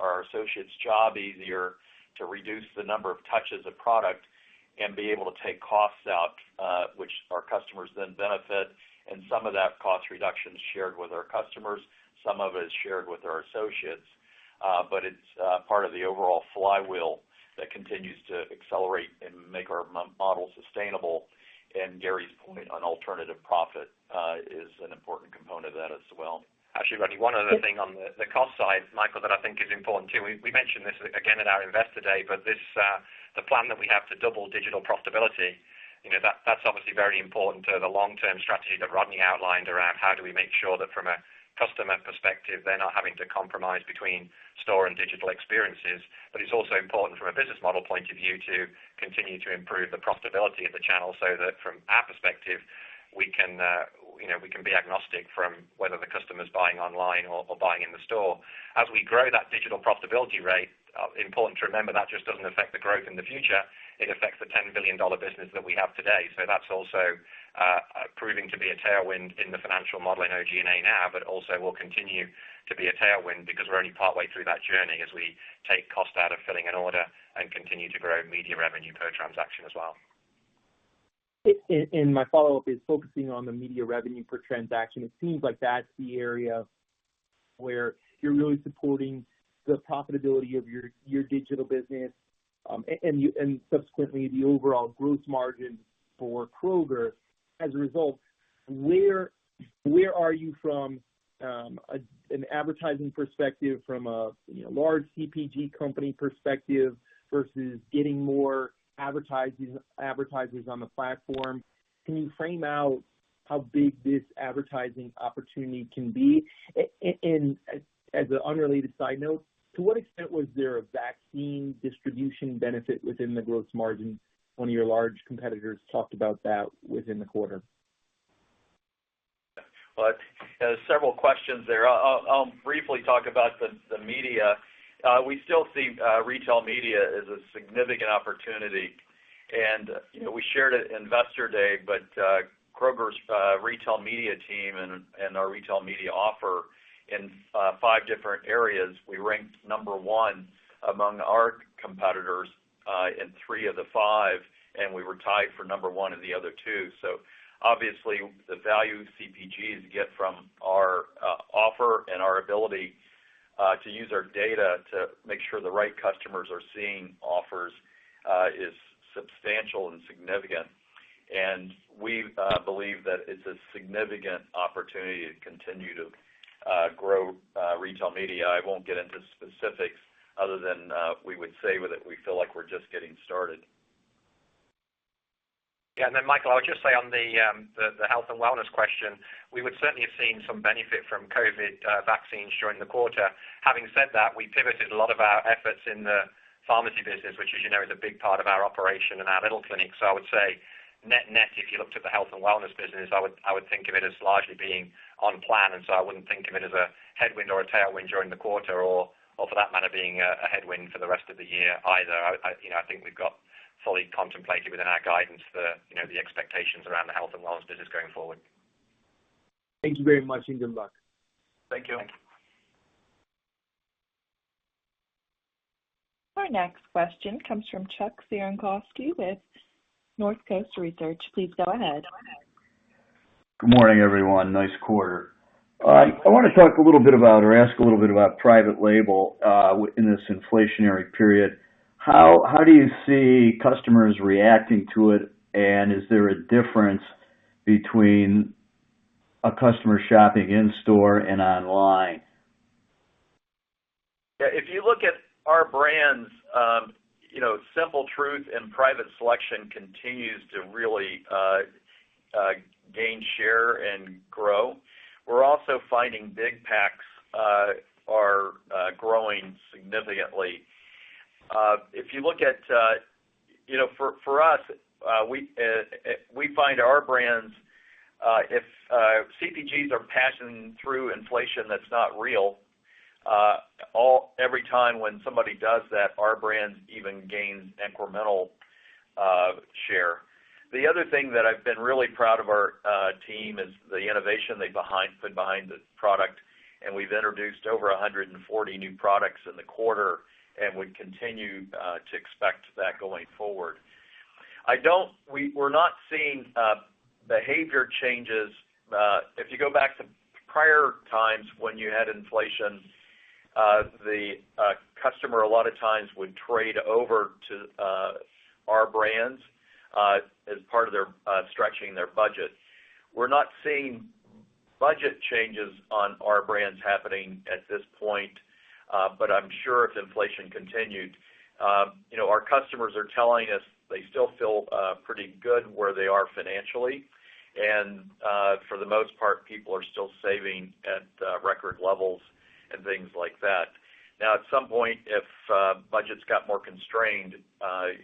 Speaker 3: our associates' job easier, to reduce the number of touches of product and be able to take costs out, which our customers then benefit. Some of that cost reduction is shared with our customers, some of it is shared with our associates. It's part of the overall flywheel that continues to accelerate and make our model sustainable. Gary's point on alternative profit is an important component of that as well.
Speaker 4: Actually, Rodney, one other thing on the cost side, Michael, that I think is important too. We mentioned this again at our Investor Day, but the plan that we have to double digital profitability, that's obviously very important to the long-term strategy that Rodney outlined around how do we make sure that from a customer perspective, they're not having to compromise between store and digital experiences. But it's also important from a business model point of view to continue to improve the profitability of the channel so that from our perspective, we can be agnostic from whether the customer's buying online or buying in the store. As we grow that digital profitability rate, important to remember, that just doesn't affect the growth in the future. It affects the $10 billion business that we have today. That's also proving to be a tailwind in the financial model in OG&A now, but also will continue to be a tailwind because we're only partway through that journey as we take cost out of filling an order and continue to grow media revenue per transaction as well.
Speaker 6: My follow-up is focusing on the media revenue per transaction. It seems like that's the area where you're really supporting the profitability of your digital business, and subsequently the overall gross margin for Kroger as a result. Where are you from an advertising perspective, from a large CPG company perspective versus getting more advertisers on the platform? Can you frame out how big this advertising opportunity can be? As an unrelated side note, to what extent was there a vaccine distribution benefit within the gross margin? One of your large competitors talked about that within the quarter.
Speaker 3: Well, there's several questions there. I'll briefly talk about the media. We still see retail media as a significant opportunity. We shared at Investor Day, but Kroger's retail media team and our retail media offer in five different areas, we ranked number one among our competitors in three of the five, And we were tied for number 1 in the other 2. Obviously the value CPGs get from our offer and our ability to use our data to make sure the right customers are seeing offers is substantial and significant. We believe that it's a significant opportunity to continue to grow retail media. I won't get into specifics other than we would say that we feel like we're just getting started.
Speaker 4: Yeah. Michael, I would just say on the health and wellness question, we would certainly have seen some benefit from COVID vaccines during the quarter. Having said that, we pivoted a lot of our efforts in the pharmacy business, which as you know, is a big part of our operation and our The Little Clinic. I would say net-net, if you looked at the health and wellness business, I would think of it as largely being on plan. I wouldn't think of it as a headwind or a tailwind during the quarter or for that matter, being a headwind for the rest of the year either. I think we've got fully contemplated within our guidance the expectations around the health and wellness business going forward.
Speaker 6: Thank you very much. [You can Chuck].
Speaker 3: Thank you.
Speaker 4: Thank you.
Speaker 1: Our next question comes from Chuck Cerankosky with Northcoast Research. Please go ahead.
Speaker 7: Good morning, everyone. Nice quarter. I want to talk a little bit about, or ask a little bit about private label in this inflationary period. How do you see customers reacting to it, and is there a difference between a customer shopping in-store and online?
Speaker 3: If you look at our brands, Simple Truth and Private Selection continues to really gain share and grow. We're also finding big packs are growing significantly. For us, we find our brands, if CPGs are passing through inflation that's not real, every time when somebody does that, our brands even gain incremental share. The other thing that I've been really proud of our team is the innovation they've put behind the product, we've introduced over 140 new products in the quarter, we continue to expect that going forward. We're not seeing behavior changes. If you go back to prior times when you had inflation, the customer a lot of times would trade over to our brands as part of their stretching their budget. We're not seeing budget changes on our brands happening at this point, but I'm sure if inflation continued, our customers are telling us they still feel pretty good where they are financially. For the most part, people are still saving at record levels and things like that. At some point, if budgets got more constrained,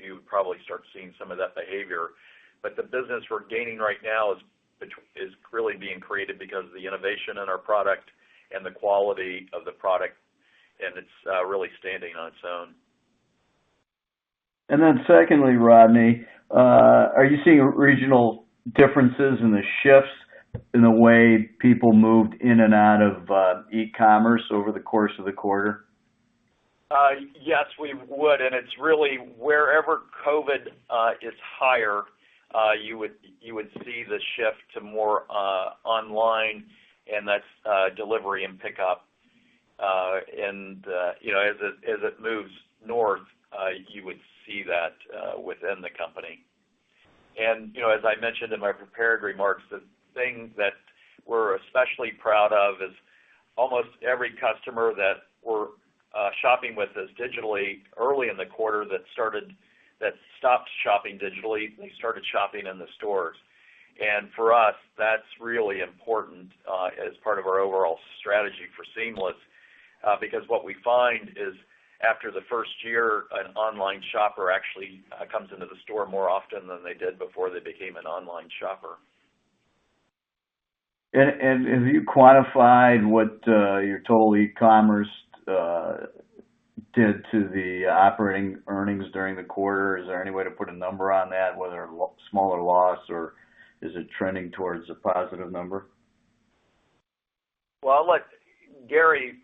Speaker 3: you would probably start seeing some of that behavior. The business we're gaining right now is really being created because of the innovation in our product and the quality of the product, and it's really standing on its own.
Speaker 7: Secondly, Rodney, are you seeing regional differences in the shifts in the way people moved in and out of e-commerce over the course of the quarter?
Speaker 3: Yes, we would. It's really wherever COVID is higher, you would see the shift to more online, and that's delivery and pickup. As it moves north, you would see that within the company. As I mentioned in my prepared remarks, the thing that we're especially proud of is almost every customer that were shopping with us digitally early in the quarter that stopped shopping digitally, they started shopping in the stores. For us, that's really important as part of our overall strategy for seamless, because what we find is after the first year, an online shopper actually comes into the store more often than they did before they became an online shopper.
Speaker 7: Have you quantified what your total e-commerce did to the operating earnings during the quarter? Is there any way to put a number on that, whether a smaller loss, or is it trending towards a positive number?
Speaker 3: Well, look, Gary,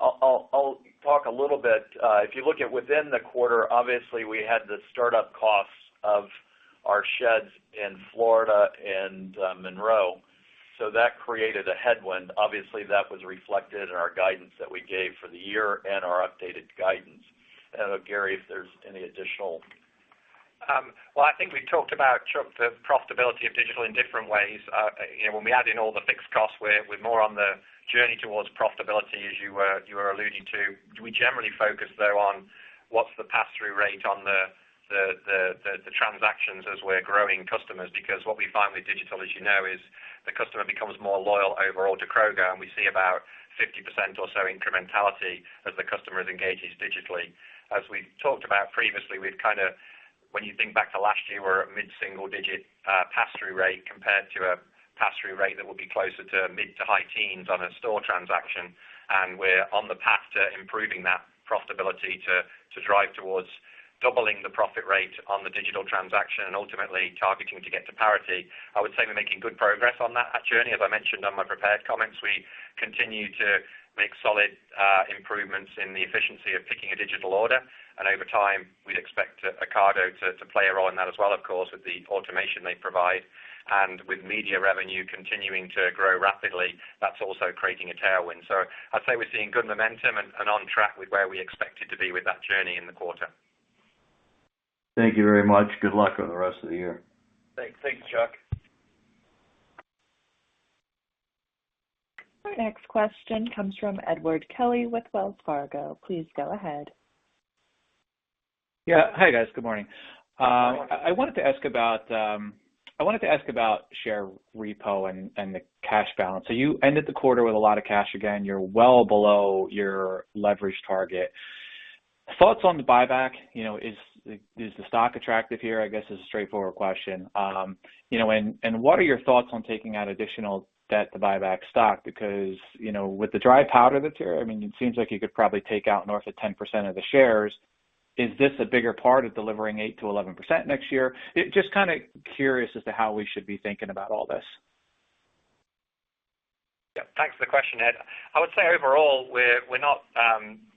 Speaker 3: I'll talk a little bit. If you look at within the quarter, obviously, we had the startup costs of our sheds in Florida and Monroe, so that created a headwind. Obviously, that was reflected in our guidance that we gave for the year and our updated guidance. I don't know, Gary, if there's any additional.
Speaker 4: Well, I think we talked about the profitability of digital in different ways. When we add in all the fixed costs, we're more on the journey towards profitability, as you were alluding to. We generally focus, though, on what's the pass-through rate on the transactions as we're growing customers. What we find with digital, as you know, is the customer becomes more loyal overall to Kroger, and we see about 50% or so incrementality as the customer engages digitally. As we've talked about previously, when you think back to last year, we're at mid-single digit pass-through rate compared to a pass-through rate that would be closer to mid to high teens on a store transaction. We're on the path to improving that profitability to drive towards doubling the profit rate on the digital transaction and ultimately targeting to get to parity. I would say we're making good progress on that journey. As I mentioned on my prepared comments, we continue to make solid improvements in the efficiency of picking a digital order. Over time, we'd expect Ocado to play a role in that as well, of course, with the automation they provide. With media revenue continuing to grow rapidly, that's also creating a tailwind. I'd say we're seeing good momentum and on track with where we expected to be with that journey in the quarter.
Speaker 7: Thank you very much. Good luck on the rest of the year.
Speaker 3: Thanks, Chuck.
Speaker 1: Our next question comes from Edward Kelly with Wells Fargo. Please go ahead.
Speaker 8: Hi, guys. Good morning.
Speaker 3: Good morning.
Speaker 8: I wanted to ask about share repo and the cash balance. You ended the quarter with a lot of cash again. You are well below your leverage target. Thoughts on the buyback? Is the stock attractive here, I guess, is a straightforward question. What are your thoughts on taking out additional debt to buy back stock? With the dry powder that is here, it seems like you could probably take out north of 10% of the shares. Is this a bigger part of delivering 8%-11% next year? Just kind of curious as to how we should be thinking about all this.
Speaker 4: Yeah. Thanks for the question, Ed. I would say, overall, we're not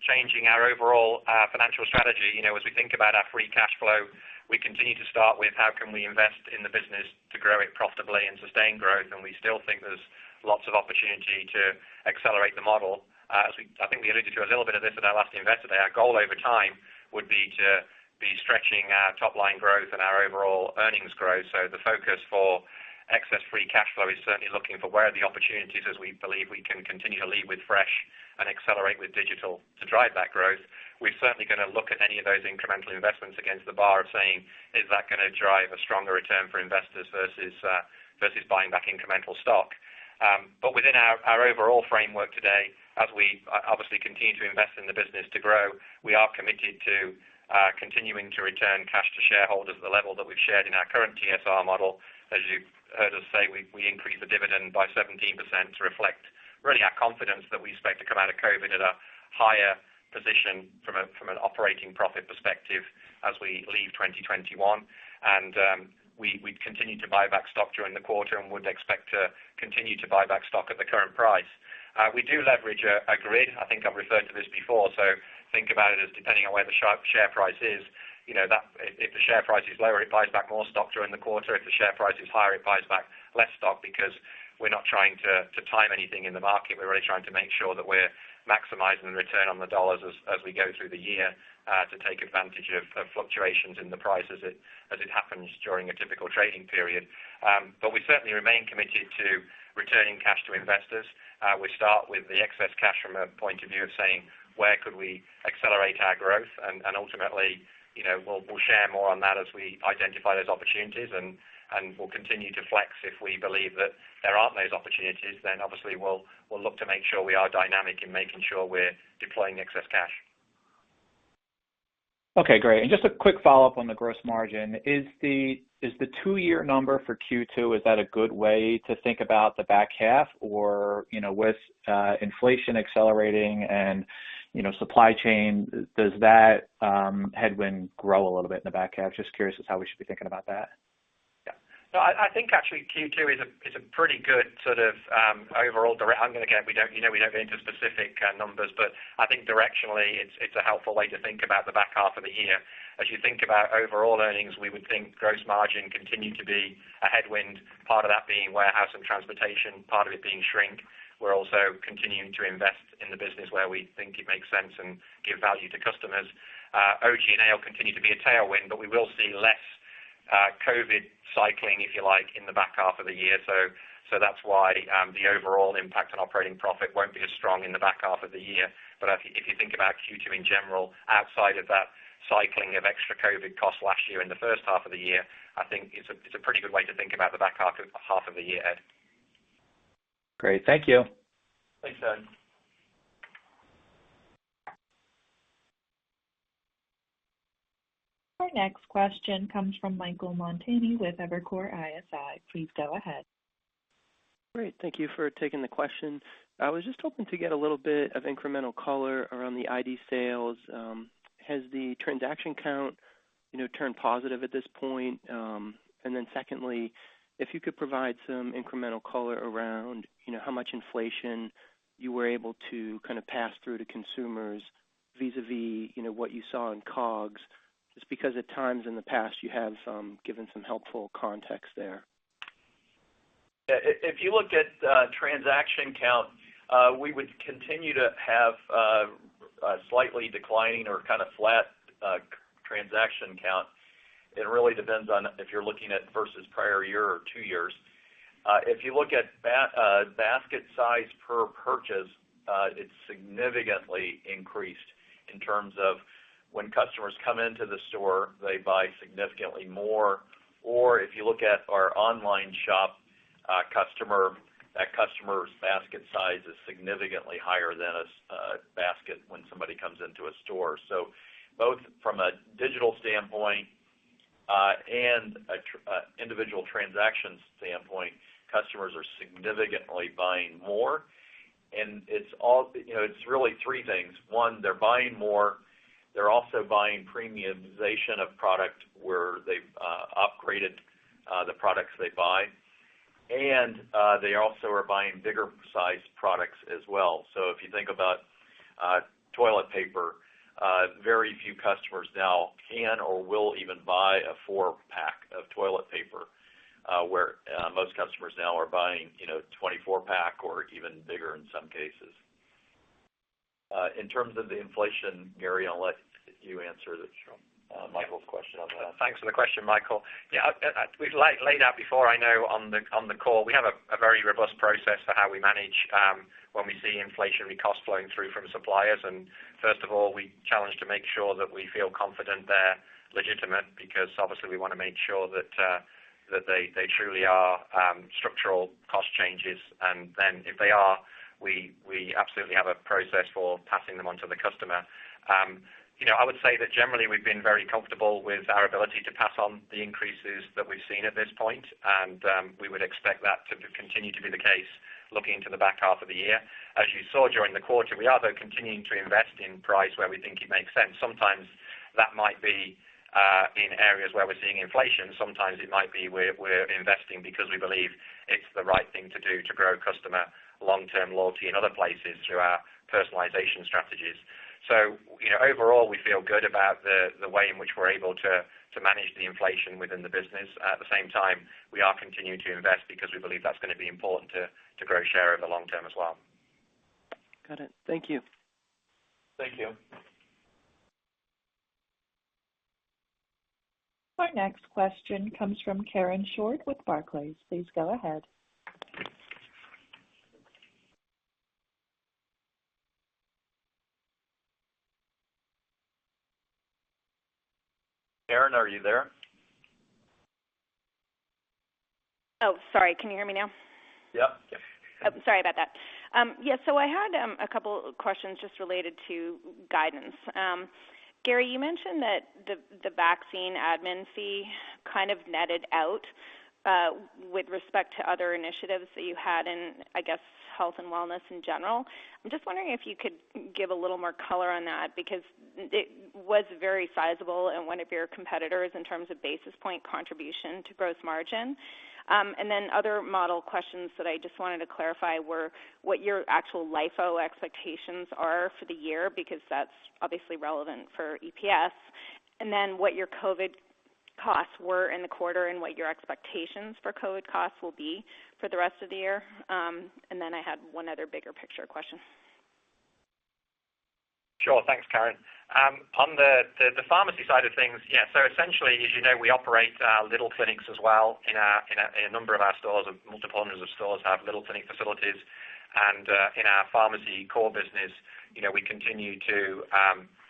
Speaker 4: changing our overall financial strategy. As we think about our free cash flow, we continue to start with how can we invest in the business to grow it profitably and sustain growth, and we still think there's lots of opportunity to accelerate the model. I think we alluded to a little bit of this in our last investor day. Our goal over time would be to be stretching our top-line growth and our overall earnings growth. The focus for excess free cash flow is certainly looking for where are the opportunities as we believe we can continue to lead with fresh and accelerate with digital to drive that growth. We're certainly going to look at any of those incremental investments against the bar of saying, "Is that going to drive a stronger return for investors versus buying back incremental stock?" Within our overall framework today, as we obviously continue to invest in the business to grow, we are committed to continuing to return cash to shareholders at the level that we've shared in our current TSR model. As you heard us say, we increased the dividend by 17% to reflect really our confidence that we expect to come out of COVID at a higher position from an an operating profit perspective as we leave 2021. We've continued to buy back stock during the quarter and would expect to continue to buy back stock at the current price. We do leverage a grid. I think I've referred to this before. Think about it as depending on where the share price is. If the share price is lower, it buys back more stock during the quarter. If the share price is higher, it buys back less stock because we're not trying to time anything in the market. We're really trying to make sure that we're maximizing the return on the dollar as we go through the year, to take advantage of fluctuations in the price as it happens during a typical trading period. We certainly remain committed to returning cash to investors. We start with the excess cash from a point of view of saying, where could we accelerate our growth? Ultimately, we'll share more on that as we identify those opportunities, and we'll continue to flex if we believe that there aren't those opportunities. Obviously, we'll look to make sure we are dynamic in making sure we're deploying excess cash.
Speaker 8: Okay, great. Just a quick follow-up on the gross margin. Is the two year number for Q2, is that a good way to think about the back half or with inflation accelerating and supply chain, does that headwind grow a little bit in the back half? Just curious as to how we should be thinking about that.
Speaker 4: Yeah. I think actually Q2 is a pretty good sort of. Again, we don't go into specific numbers, but I think directionally it's a helpful way to think about the back half of the year. As you think about overall earnings, we would think gross margin continue to be a headwind. Part of that being warehouse and transportation, part of it being shrink. We're also continuing to invest in the business where we think it makes sense and give value to customers. OG&A will continue to be a tailwind, but we will see less COVID cycling, if you like, in the back half of the year. That's why the overall impact on operating profit won't be as strong in the back half of the year. If you think about Q2 in general, outside of that cycling of extra COVID-19 costs last year in the first half of the year, I think it's a pretty good way to think about the back half of the year, Ed.
Speaker 8: Great. Thank you.
Speaker 4: Thanks, Ed.
Speaker 1: Our next question comes from Michael Montani with Evercore ISI. Please go ahead.
Speaker 9: Great. Thank you for taking the question. I was just hoping to get a little bit of incremental color around the ID sales. Has the transaction count turned positive at this point? Secondly, if you could provide some incremental color around how much inflation you were able to kind of pass through to consumers vis-a-vis what you saw in COGS. Because at times in the past, you have given some helpful context there.
Speaker 3: If you look at transaction count, we would continue to have a slightly declining or kind of flat transaction count. It really depends on if you're looking at versus prior year or two years. If you look at basket size per purchase, it's significantly increased in terms of when customers come into the store, they buy significantly more. If you look at our online shop customer, that customer's basket size is significantly higher than a basket when somebody comes into a store. Both from a digital standpoint, and individual transactions standpoint, customers are significantly buying more. It's really three things. One, they're buying more. They're also buying premiumization of product where they've upgraded the products they buy. They also are buying bigger sized products as well. If you think about toilet paper, very few customers now can or will even buy a four pack of toilet paper, where most customers now are buying 24-pack or even bigger in some cases. In terms of the inflation, Gary, I'll let you answer Michael's question on that.
Speaker 4: Thanks for the question, Michael. Yeah, we've laid out before, I know, on the call. We have a very robust process for how we manage when we see inflationary costs flowing through from suppliers. First of all, we challenge to make sure that we feel confident they're legitimate because obviously we want to make sure that they truly are structural cost changes. Then if they are, we absolutely have a process for passing them on to the customer. I would say that generally we've been very comfortable with our ability to pass on the increases that we've seen at this point. We would expect that to continue to be the case looking into the back half of the year. As you saw during the quarter, we are, though, continuing to invest in price where we think it makes sense. Sometimes that might be in areas where we're seeing inflation. Sometimes it might be we're investing because we believe it's the right thing to do to grow customer long-term loyalty in other places through our personalization strategies. Overall, we feel good about the way in which we're able to manage the inflation within the business. At the same time, we are continuing to invest because we believe that's going to be important to grow share over the long term as well.
Speaker 9: Got it. Thank you.
Speaker 3: Thank you.
Speaker 1: Our next question comes from Karen Short with Barclays. Please go ahead.
Speaker 3: Karen, are you there?
Speaker 10: Oh, sorry. Can you hear me now?
Speaker 3: Yeah.
Speaker 10: Oh, sorry about that. Yeah, I had a couple questions just related to guidance. Gary, you mentioned that the vaccine admin fee kind of netted out with respect to other initiatives that you had in, I guess, health and wellness in general. I'm just wondering if you could give a little more color on that, because it was very sizable and one of your competitors in terms of basis point contribution to gross margin. Other model questions that I just wanted to clarify were, what your actual LIFO expectations are for the year, because that's obviously relevant for EPS. What your COVID-19 costs were in the quarter and what your expectations for COVID-19 costs will be for the rest of the year. I had one other bigger picture question.
Speaker 4: Sure. Thanks, Karen. On the pharmacy side of things, essentially, you know, we operate our Little Clinics as well in a number of our stores. Multiple hundreds of stores have Little Clinic facilities. In our pharmacy core business, we continue to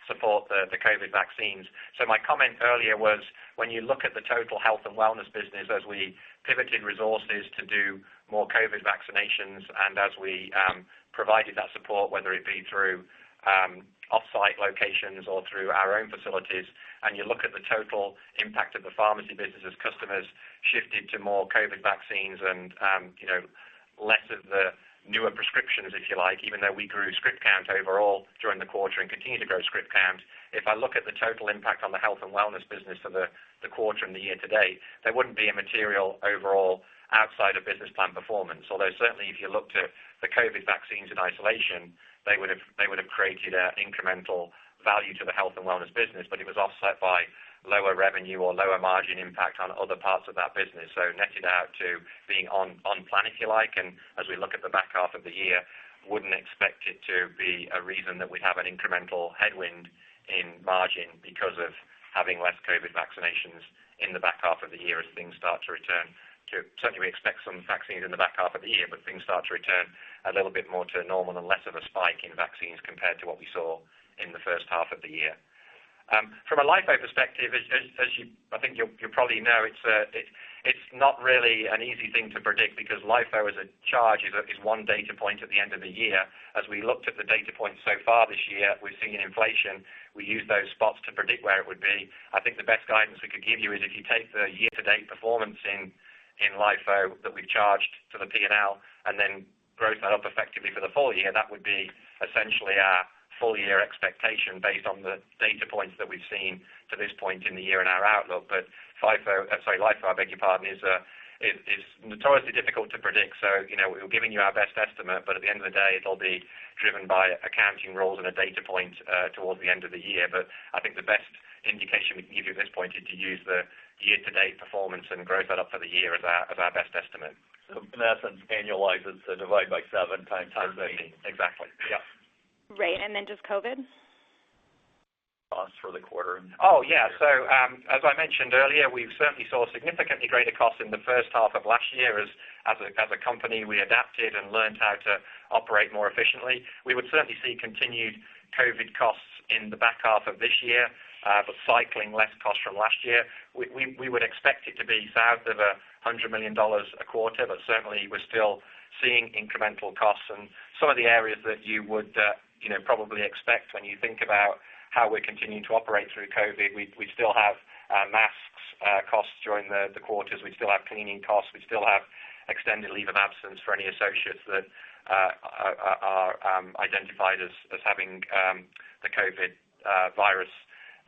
Speaker 4: support the COVID vaccines. My comment earlier was, when you look at the total health and wellness business, as we pivoted resources to do more COVID vaccinations and as we provided that support, whether it be through off-site locations or through our own facilities, and you look at the total impact of the pharmacy business as customers shifted to more COVID vaccines and less of the newer prescriptions, if you like, even though we grew script count overall during the quarter and continue to grow script count. If I look at the total impact on the health and wellness business for the quarter and the year to date, there wouldn't be a material overall outside of business plan performance. Certainly if you looked at the COVID vaccines in isolation, they would've created an incremental value to the health and wellness business, but it was offset by lower revenue or lower margin impact on other parts of that business. Netted out to being on plan, if you like. As we look at the back half of the year, wouldn't expect it to be a reason that we'd have an incremental headwind in margin because of having less COVID vaccinations in the back half of the year. Certainly, we expect some vaccines in the back half of the year, but things start to return a little bit more to normal and less of a spike in vaccines compared to what we saw in the first half of the year. From a LIFO perspective, as I think you probably know, it's not really an easy thing to predict because LIFO as a charge is one data point at the end of the year. As we looked at the data points so far this year, we've seen inflation. We used those spots to predict where it would be. I think the best guidance we could give you is if you take the year-to-date performance in LIFO that we've charged to the P&L and then gross that up effectively for the full-year, that would be essentially our full-year expectation based on the data points that we've seen to this point in the year and our outlook. FIFO, sorry, LIFO, I beg your pardon, is notoriously difficult to predict. We're giving you our best estimate, but at the end of the day, it'll be driven by accounting rules and a data point toward the end of the year. I think the best indication we can give you at this point is to use the year-to-date performance and gross that up for the year as our best estimate.
Speaker 3: In essence, annualize it, so divide by 7x 13.
Speaker 4: Exactly, yeah.
Speaker 10: Right. Then just COVID.
Speaker 3: Costs for the quarter.
Speaker 4: Oh, yeah. As I mentioned earlier, we certainly saw significantly greater costs in the first half of last year. As a company, we adapted and learned how to operate more efficiently. We would certainly see continued COVID costs in the back half of this year, but cycling less cost from last year. We would expect it to be south of $100 million a quarter, but certainly, we're still seeing incremental costs in some of the areas that you would probably expect when you think about how we're continuing to operate through COVID. We still have masks costs during the quarters. We still have cleaning costs. We still have extended leave of absence for any associates that are identified as having the COVID virus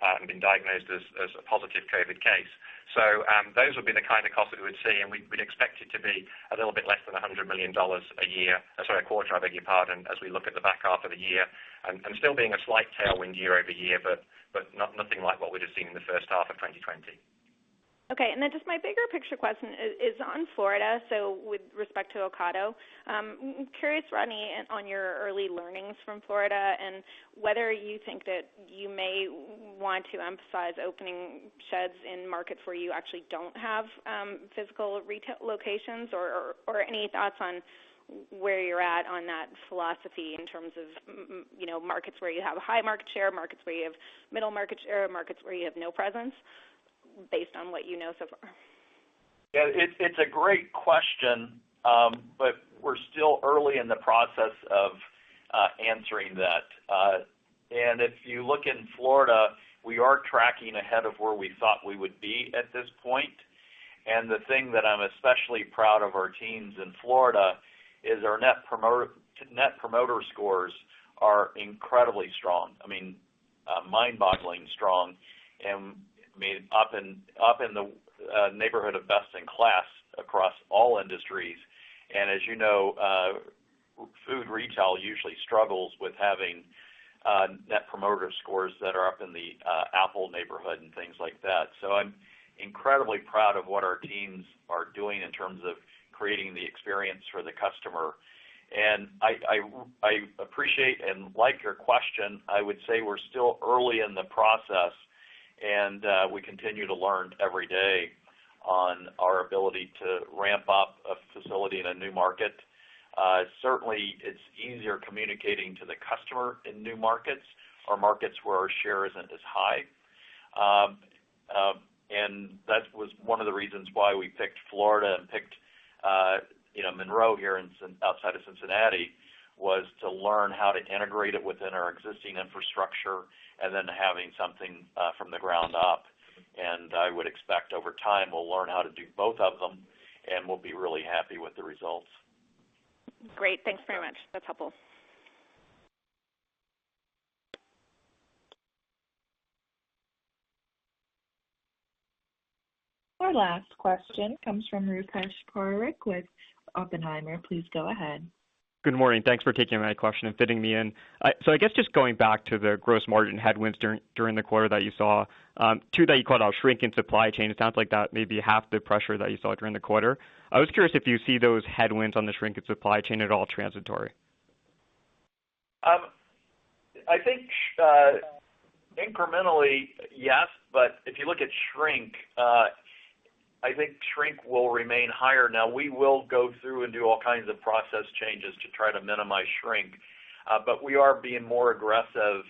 Speaker 4: and been diagnosed as a positive COVID case. Those would be the kind of costs that we would see, and we'd expect it to be a little bit less than $100 million a year, or sorry, a quarter, I beg your pardon, as we look at the back half of the year. Still being a slight tailwind year-over-year, but nothing like what we just seen in the first half of 2020.
Speaker 10: Okay. Just my bigger picture question is on Florida, so with respect to Ocado. Curious, Rodney, on your early learnings from Florida and whether you think that you may want to emphasize opening sheds in markets where you actually don't have physical retail locations or any thoughts on where you're at on that philosophy in terms of markets where you have a high market share, markets where you have middle market share, markets where you have no presence based on what you know so far.
Speaker 3: Yeah. It's a great question. We're still early in the process of answering that. If you look in Florida, we are tracking ahead of where we thought we would be at this point. The thing that I'm especially proud of our teams in Florida is our Net Promoter Scores are incredibly strong. I mean, mind-boggling strong, up in the neighborhood of best in class across all industries. As you know, food retail usually struggles with having Net Promoter Scores that are up in the Apple neighborhood and things like that. I'm incredibly proud of what our teams are doing in terms of creating the experience for the customer. I appreciate and like your question. I would say we're still early in the process, we continue to learn every day on our ability to ramp up a facility in a new market. Certainly, it's easier communicating to the customer in new markets or markets where our share isn't as high. That was one of the reasons why we picked Florida and Monroe here outside of Cincinnati, was to learn how to integrate it within our existing infrastructure and then having something from the ground up. I would expect over time, we'll learn how to do both of them, and we'll be really happy with the results.
Speaker 10: Great. Thanks very much. That's helpful.
Speaker 1: Our last question comes from Rupesh Parikh with Oppenheimer. Please go ahead.
Speaker 11: Good morning. Thanks for taking my question and fitting me in. I guess just going back to the gross margin headwinds during the quarter that you saw, two that you called out, shrink and supply chain. It sounds like that may be half the pressure that you saw during the quarter. I was curious if you see those headwinds on the shrink and supply chain at all transitory?
Speaker 3: I think incrementally, yes. If you look at shrink, I think shrink will remain higher. Now, we will go through and do all kinds of process changes to try to minimize shrink. We are being more aggressive,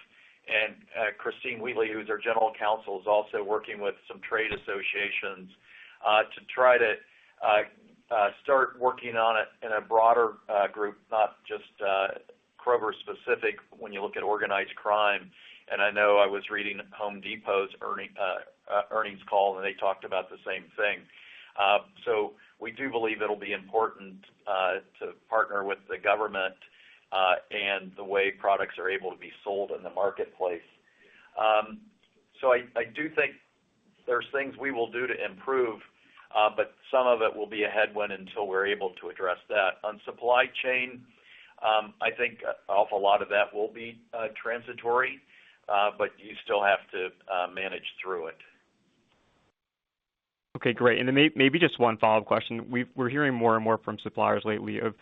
Speaker 3: and Christine Wheatley, who's our general counsel, is also working with some trade associations to try to start working on it in a broader group, not just Kroger specific when you look at organized crime. I know I was reading The Home Depot's earnings call, and they talked about the same thing. We do believe it'll be important to partner with the government, and the way products are able to be sold in the marketplace. I do think there's things we will do to improve, but some of it will be a headwind until we're able to address that. On supply chain, I think an awful lot of that will be transitory. You still have to manage through it.
Speaker 11: Okay, great. Maybe just one follow-up question. We're hearing more and more from suppliers lately of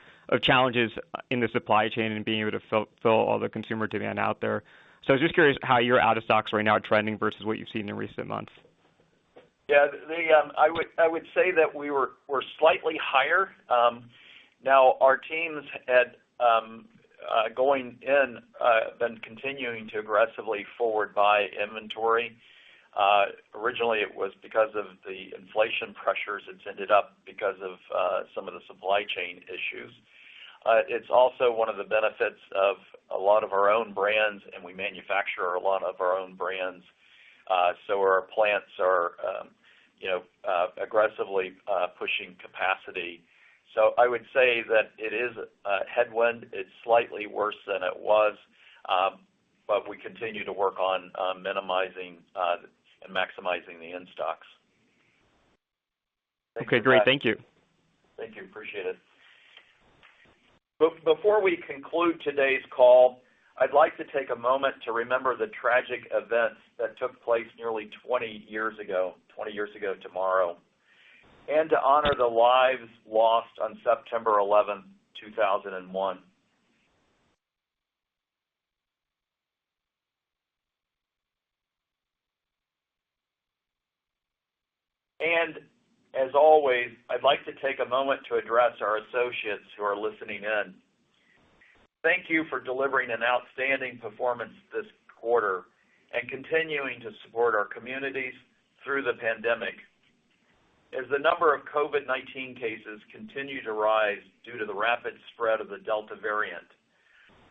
Speaker 11: challenges in the supply chain and being able to fulfill all the consumer demand out there. I was just curious how your out of stocks right now are trending versus what you've seen in recent months.
Speaker 3: Yeah. I would say that we're slightly higher. Our teams had, going in, been continuing to aggressively forward-buy inventory. Originally, it was because of the inflation pressures. It's ended up because of some of the supply chain issues. It's also one of the benefits of a lot of our own brands, and we manufacture a lot of our own brands. Our plants are aggressively pushing capacity. I would say that it is a headwind. It's slightly worse than it was, but we continue to work on minimizing and maximizing the in-stocks.
Speaker 11: Okay, great. Thank you.
Speaker 3: Thank you. Appreciate it. Before we conclude today's call, I'd like to take a moment to remember the tragic events that took place nearly 20 years ago tomorrow, and to honor the lives lost on September 11, 2001. As always, I'd like to take a moment to address our associates who are listening in. Thank you for delivering an outstanding performance this quarter and continuing to support our communities through the pandemic. As the number of COVID-19 cases continue to rise due to the rapid spread of the Delta variant,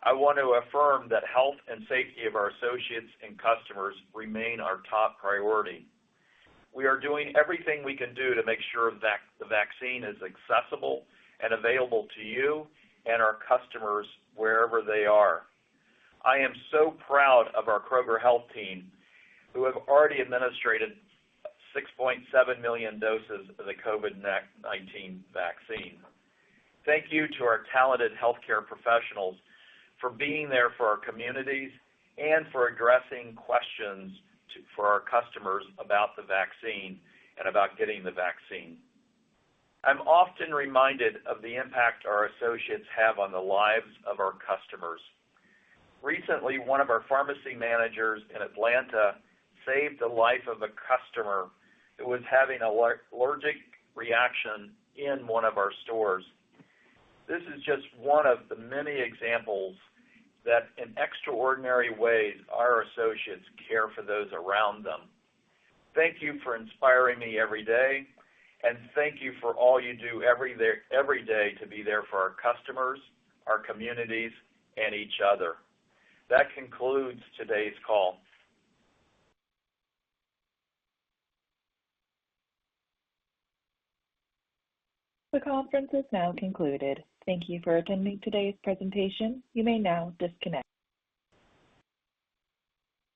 Speaker 3: I want to affirm that health and safety of our associates and customers remain our top priority. We are doing everything we can do to make sure the vaccine is accessible and available to you and our customers wherever they are. I am so proud of our Kroger Health team, who have already administered 6.7 million doses of the COVID-19 vaccine. Thank you to our talented healthcare professionals for being there for our communities and for addressing questions for our customers about the vaccine and about getting the vaccine. I'm often reminded of the impact our associates have on the lives of our customers. Recently, one of our pharmacy managers in Atlanta saved the life of a customer who was having an allergic reaction in one of our stores. This is just one of the many examples that in extraordinary ways, our associates care for those around them. Thank you for inspiring me every day, and thank you for all you do every day to be there for our customers, our communities, and each other. That concludes today's call.
Speaker 1: The conference is now concluded. Thank you for attending today's presentation. You may now disconnect.